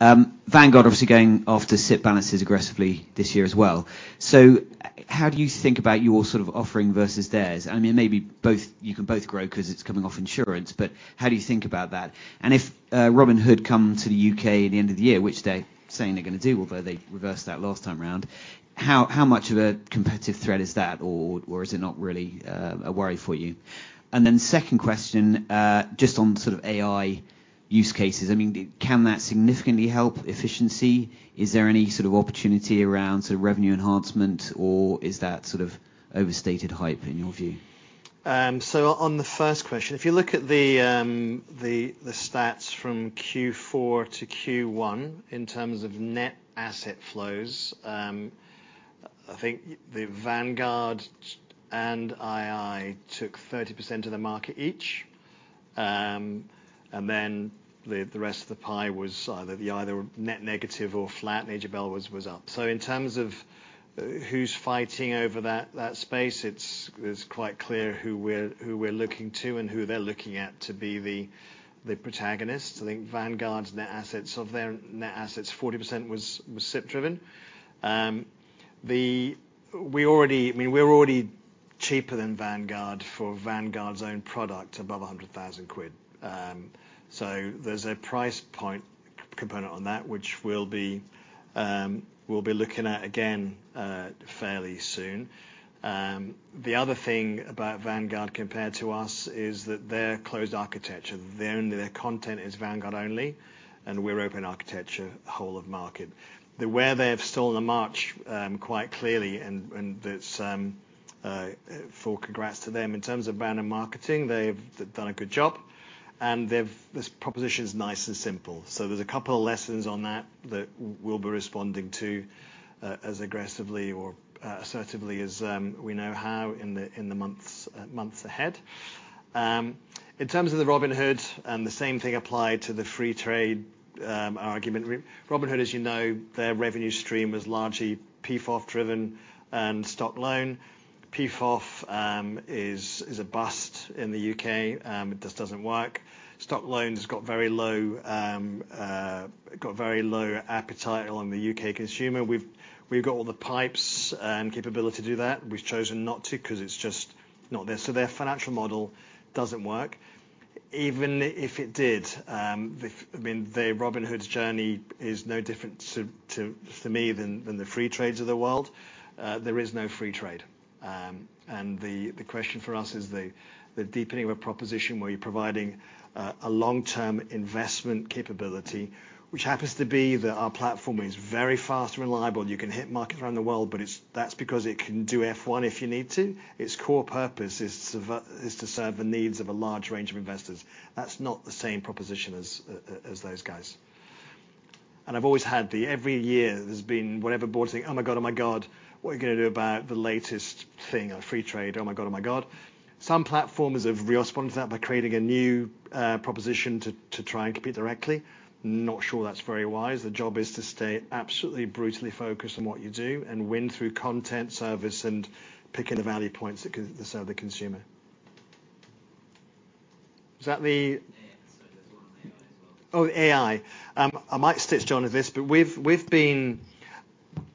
Vanguard obviously going after SIPP balances aggressively this year as well. How do you think about your sort of offering versus theirs? I mean, maybe both, you can both grow because it's coming off insurance, but how do you think about that? If Robinhood come to the U.K. at the end of the year, which they're saying they're gonna do, although they reversed that last time around, how much of a competitive threat is that, or is it not really a worry for you? Second question, just on sort of AI use cases, I mean, can that significantly help efficiency? Is there any sort of opportunity around sort of revenue enhancement, or is that sort of overstated hype, in your view? On the first question, if you look at the stats from Q4 to Q1 in terms of net asset flows, I think Vanguard and ii took 30% of the market each. Then the rest of the pie was either net negative or flat, AJ Bell was up. In terms of who's fighting over that space, it's quite clear who we're looking to and who they're looking at to be the protagonist. I think Vanguard's net assets, of their net assets, 40% was SIPP driven. We already, I mean, we're already cheaper than Vanguard for Vanguard's own product, above 100,000 quid. So there's a price point component on that, which we'll be looking at again, fairly soon. The other thing about Vanguard compared to us is that they're closed architecture. They only, their content is Vanguard only, and we're open architecture, whole of market. The way they've stolen the march, quite clearly, and it's full congrats to them. In terms of brand and marketing, they've done a good job, and this proposition is nice and simple. There's a couple of lessons on that we'll be responding to, as aggressively or assertively as we know how in the months ahead. In terms of the Robinhood, the same thing applied to the Freetrade argument. Robinhood, as you know, their revenue stream was largely PFOF driven and stock loan. PFOF is a bust in the U.K. It just doesn't work. Stock loans have got very low appetite along the U.K. consumer. We've got all the pipes and capability to do that. We've chosen not to, 'cause it's just not there. Their financial model doesn't work. Even if it did, I mean, the Robinhood's journey is no different to for me than the free trades of the world. There is no free trade, and the question for us is the deepening of a proposition where you're providing a long-term investment capability, which happens to be that our platform is very fast and reliable. You can hit markets around the world, that's because it can do F1 if you need to. Its core purpose is to serve the needs of a large range of investors. That's not the same proposition as those guys. I've always had the, every year, there's been whatever board saying, "Oh, my God! Oh, my God! What are we gonna do about the latest thing on Freetrade? Oh, my God. Oh, my God." Some platforms have responded to that by creating a new proposition to try and compete directly. Not sure that's very wise. The job is to stay absolutely brutally focused on what you do, and win through content, service, and picking the value points that can serve the consumer. Is that the. Yeah. Sorry, there's one on AI as well. Oh, AI. I might stitch John with this, but we've been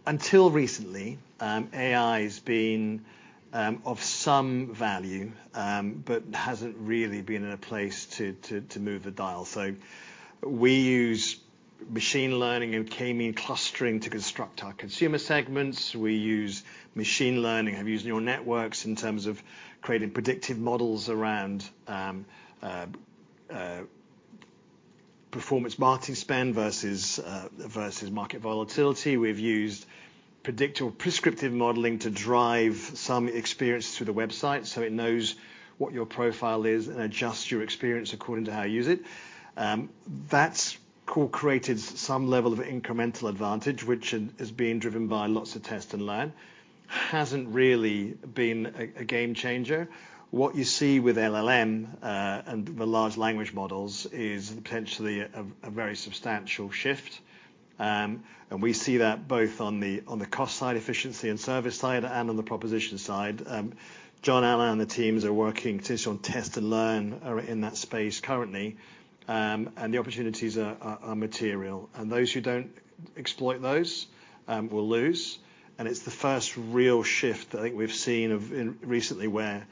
Until recently, AI's been of some value, but hasn't really been in a place to move the dial. We use machine learning and k-means clustering to construct our consumer segments. We use machine learning, have used neural networks in terms of creating predictive models around performance marketing spend versus versus market volatility. We've used predictor or prescriptive modeling to drive some experiences through the website, so it knows what your profile is and adjusts your experience according to how you use it. That's co-created some level of incremental advantage, which is being driven by lots of test and learn. Hasn't really been a game changer. What you see with LLM and the large language models, is potentially a very substantial shift. We see that both on the cost side, efficiency, and service side, and on the proposition side. John Allen and the teams are working potentially on test and learn in that space currently. The opportunities are material, and those who don't exploit those will lose. It's the first real shift I think we've seen of recently, where,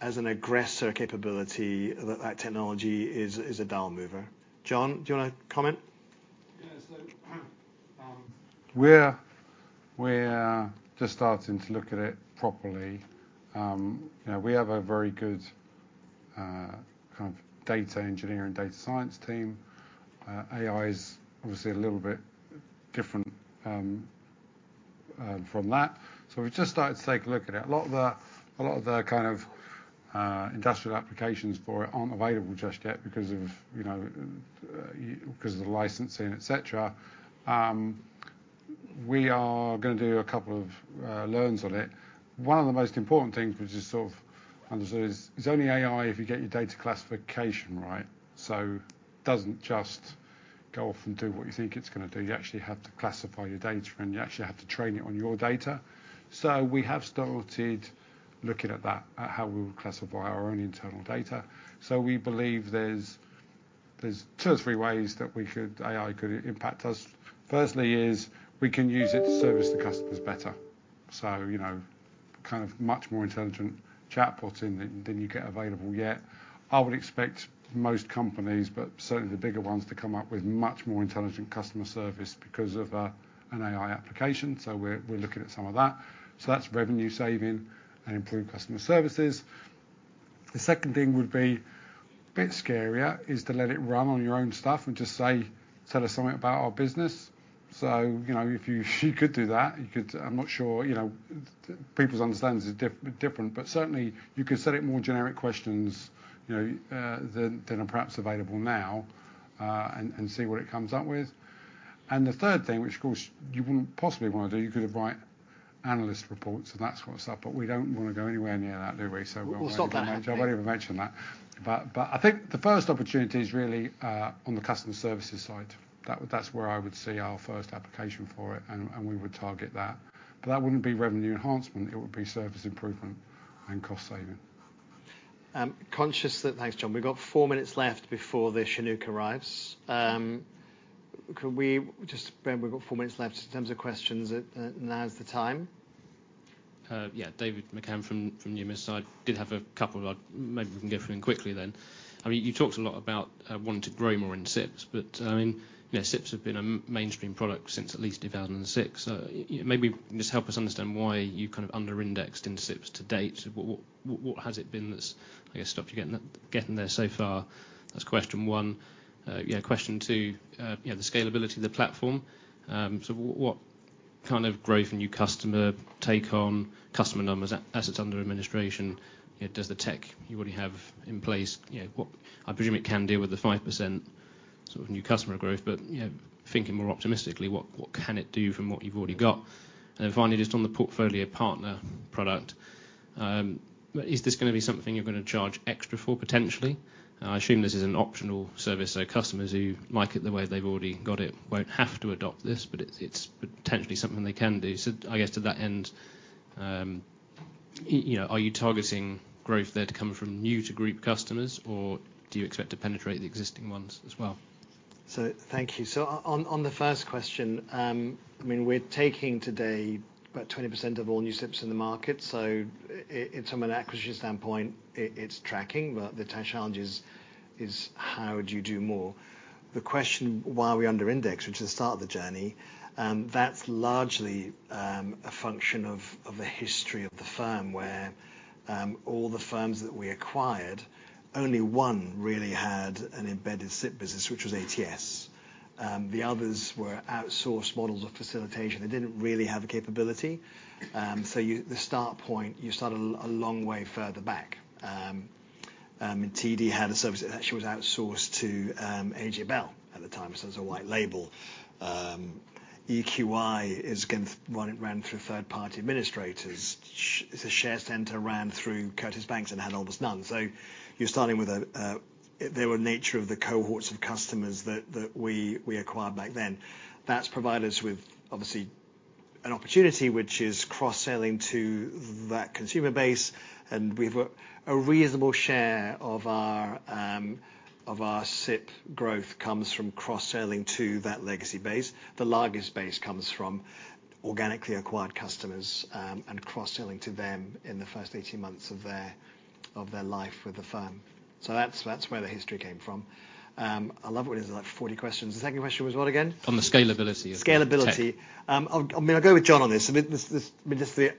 as an aggressor capability, that technology is a dial mover. John, do you wanna comment? We're just starting to look at it properly. You know, we have a very good kind of data engineering and data science team. AI is obviously a little bit different from that, so we've just started to take a look at it. A lot of the kind of industrial applications for it aren't available just yet because of, you know, because of the licensing, et cetera. We are gonna do two learns on it. One of the most important things, which is sort of understood, is, it's only AI if you get your data classification right. Doesn't just go off and do what you think it's gonna do. You actually have to classify your data, and you actually have to train it on your data. We have started looking at that, at how we would classify our own internal data. We believe there's two or three ways that AI could impact us. Firstly is, we can use it to service the customers better. You know, kind of much more intelligent chatbot than you get available yet. I would expect most companies, but certainly the bigger ones, to come up with much more intelligent customer service because of an AI application. We're looking at some of that. That's revenue saving and improved customer services. The second thing would be a bit scarier, is to let it run on your own stuff and just say, "Tell us something about our business." You know, if you could do that, you could... I'm not sure, you know, people's understandings are different, but certainly you could set it more generic questions, you know, than are perhaps available now, and see what it comes up with. The third thing, which, of course, you wouldn't possibly wanna do, you could write analyst reports, and that's what's up. We don't wanna go anywhere near that, do we? We'll stop that. I've already even mentioned that. I think the first opportunity is really on the customer services side. That's where I would see our first application for it, and we would target that. That wouldn't be revenue enhancement. It would be service improvement and cost saving. Thanks, John. We've got four minutes left before the Chinook arrives. Could we just, Ben, we've got four minutes left in terms of questions, now is the time. Yeah. David McCann from Deutsche Numis side. Did have a couple of. Maybe we can go through them quickly then. I mean, you talked a lot about wanting to grow more in SIPPs, but, I mean, you know, SIPPs have been a mainstream product since at least 2006. Maybe just help us understand why you kind of under-indexed in SIPPs to date. What has it been that's, I guess, stopped you getting there so far? That's question one. Yeah, question two, you know, the scalability of the platform, what kind of growth and new customer take on customer numbers as it's under administration? You know, does the tech you already have in place? You know, I presume it can deal with the 5%, sort of, new customer growth, but, you know, thinking more optimistically, what can it do from what you've already got? Finally, just on the Portfolio Partner product, is this gonna be something you're gonna charge extra for potentially? I assume this is an optional service, so customers who like it the way they've already got it won't have to adopt this, but it's potentially something they can do. I guess to that end, you know, are you targeting growth there to come from new to group customers, or do you expect to penetrate the existing ones as well? Thank you. On, on the first question, I mean, we're taking today about 20% of all new SIPPs in the market, so from an acquisition standpoint, it's tracking, but the tech challenge is how do you do more? The question, why are we under indexed, which is the start of the journey, that's largely a function of a history of the firm where all the firms that we acquired, only one really had an embedded SIPPs business, which was ATS. The others were outsourced models of facilitation. They didn't really have the capability. So the start point, you start a long way further back. TD had a service that actually was outsourced to AJ Bell at the time, so it was a white label. EQi is again, ran through third-party administrators. The Share Center ran through Curtis Banks and had almost none. You're starting with a, they were nature of the cohorts of customers that we acquired back then. That's provided us with, obviously, an opportunity which is cross-selling to that consumer base, and we've a reasonable share of our SIPP growth comes from cross-selling to that legacy base. The largest base comes from organically acquired customers, and cross-selling to them in the first 18 months of their life with the firm. That's where the history came from. I love it when there's, like, 40 questions. The second question was what again? On the scalability. Scalability. Yeah. I mean, I'll go with John on this. I mean, this, just the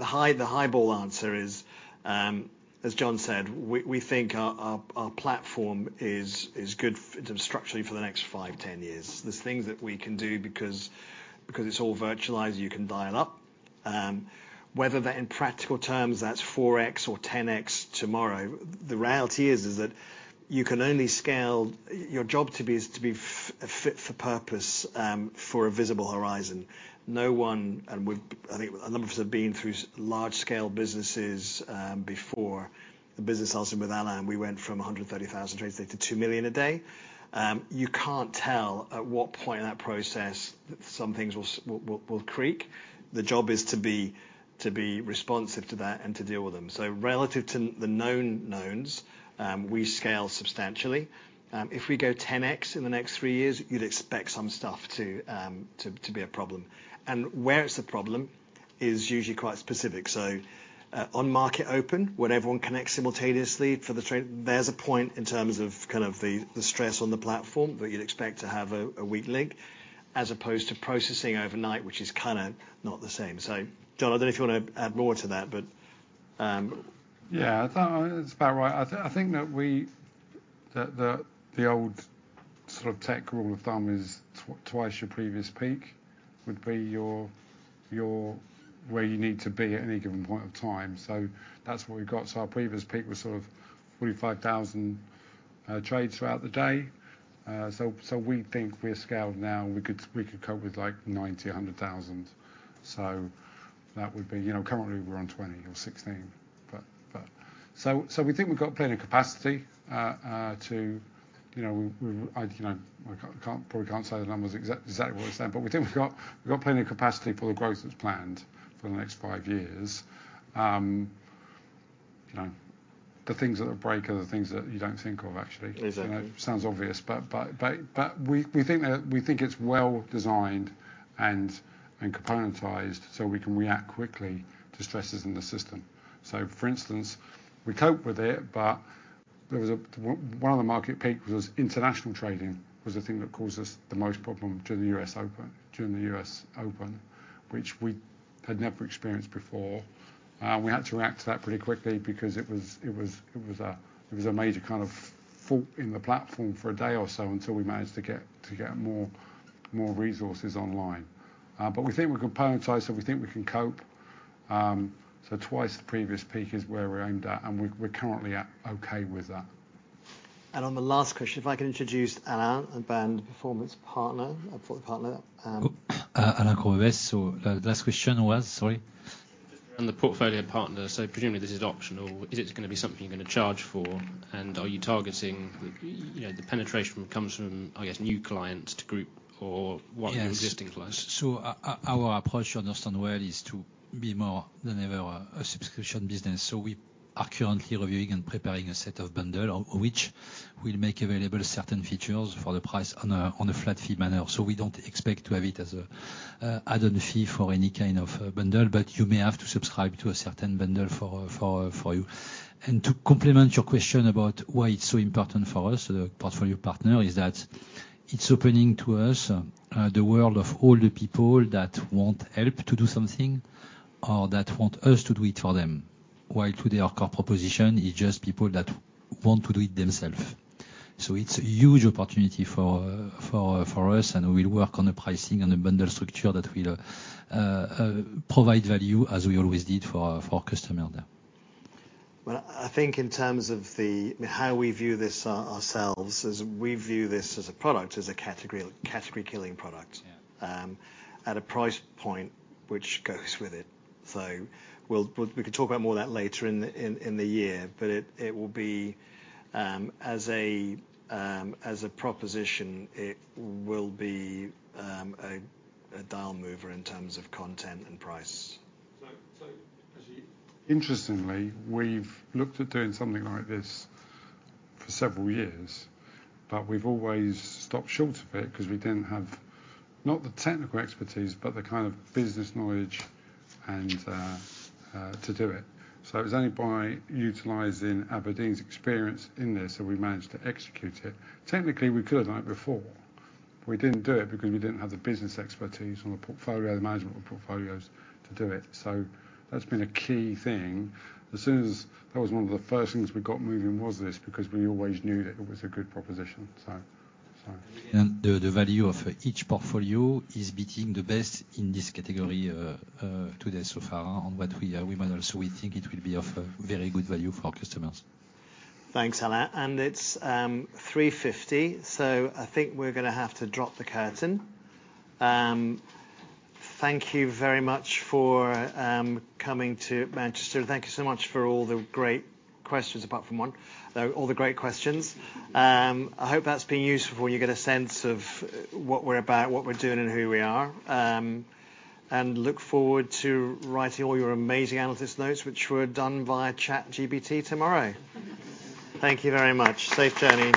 high, the highball answer is, as John said, we think our platform is good structurally for the next 5, 10 years. There's things that we can do because it's all virtualized, you can dial up. Whether that, in practical terms, that's 4x or 10x tomorrow, the reality is that you can only scale. Your job to be, is to be fit for purpose for a visible horizon. No one, and I think a number of us have been through large-scale businesses before. The business I was in with Alain, we went from 130,000 trades a day to 2 million a day. You can't tell at what point in that process that some things will creak. The job is to be responsive to that and to deal with them. Relative to the known knowns, we scale substantially. If we go 10x in the next three years, you'd expect some stuff to be a problem. Where it's a problem is usually quite specific. On market open, when everyone connects simultaneously for the trade, there's a point in terms of kind of the stress on the platform, where you'd expect to have a weak link, as opposed to processing overnight, which is kind of not the same. John, I don't know if you want to add more to that, but. Yeah, I thought it's about right. I think that the old sort of tech rule of thumb is twice your previous peak would be your where you need to be at any given point of time. That's what we've got. Our previous peak was sort of 45,000 trades throughout the day. We think we're scaled now, and we could cope with, like, 90,000, 100,000. That would be. You know, currently, we're on 20 or 16, but we think we've got plenty of capacity to, you know, we, I, you know, I can't. Probably can't say the numbers exactly what I said, but we think we've got plenty of capacity for the growth that's planned for the next five years. You know, the things that are break are the things that you don't think of actually. Exactly. You know, it sounds obvious, but we think that, we think it's well designed and componentized, so we can react quickly to stresses in the system. For instance, we cope with it, but there was a One of the market peaks was international trading, was the thing that caused us the most problem during the US Open, during the US Open, which we had never experienced before. We had to react to that pretty quickly because it was a major kind of fault in the platform for a day or so, until we managed to get more resources online. But we think we're componentized, so we think we can cope. Twice the previous peak is where we're aimed at, and we're currently at okay with that. On the last question, if I can introduce Alain, a brand performance partner, a portfolio partner. Alain Courbebaisse. Last question was, sorry? On the Portfolio Partner, presumably this is optional. Is it gonna be something you're gonna charge for? Are you targeting, you know, the penetration comes from, I guess, new clients to group or what? Yes... existing clients? Our approach to understand well is to be more than ever, a subscription business. We are currently reviewing and preparing a set of bundle, of which we'll make available certain features for the price on a flat fee manner. We don't expect to have it as a add-on fee for any kind of bundle, but you may have to subscribe to a certain bundle for you. To complement your question about why it's so important for us, the Portfolio Partner, is that it's opening to us the world of all the people that want help to do something or that want us to do it for them. While today, our core proposition is just people that want to do it themselves. It's a huge opportunity for us, and we'll work on the pricing and the bundle structure that will provide value, as we always did for our customer there. Well, I think in terms of how we view this ourselves, is we view this as a product, as a category-killing product. Yeah... at a price point which goes with it. We'll, we can talk about more of that later in the year, it will be, as a proposition, it will be a dial mover in terms of content and price. Interestingly, we've looked at doing something like this for several years, we've always stopped short of it, because we didn't have not the technical expertise, but the kind of business knowledge to do it. It was only by utilizing Aberdeen's experience in this that we managed to execute it. Technically, we could have done it before. We didn't do it because we didn't have the business expertise or the portfolio, management of portfolios to do it. That's been a key thing. That was one of the first things we got moving, was this, because we always knew that it was a good proposition. The value of each portfolio is beating the best in this category to date so far, on what we might also we think it will be of a very good value for our customers. Thanks, Alain. It's 3:50, I think we're gonna have to drop the curtain. Thank you very much for coming to Manchester. Thank you so much for all the great questions, apart from one, all the great questions. I hope that's been useful, you get a sense of what we're about, what we're doing, and who we are. Look forward to writing all your amazing analyst notes, which were done via ChatGPT tomorrow. Thank you very much. Safe journey.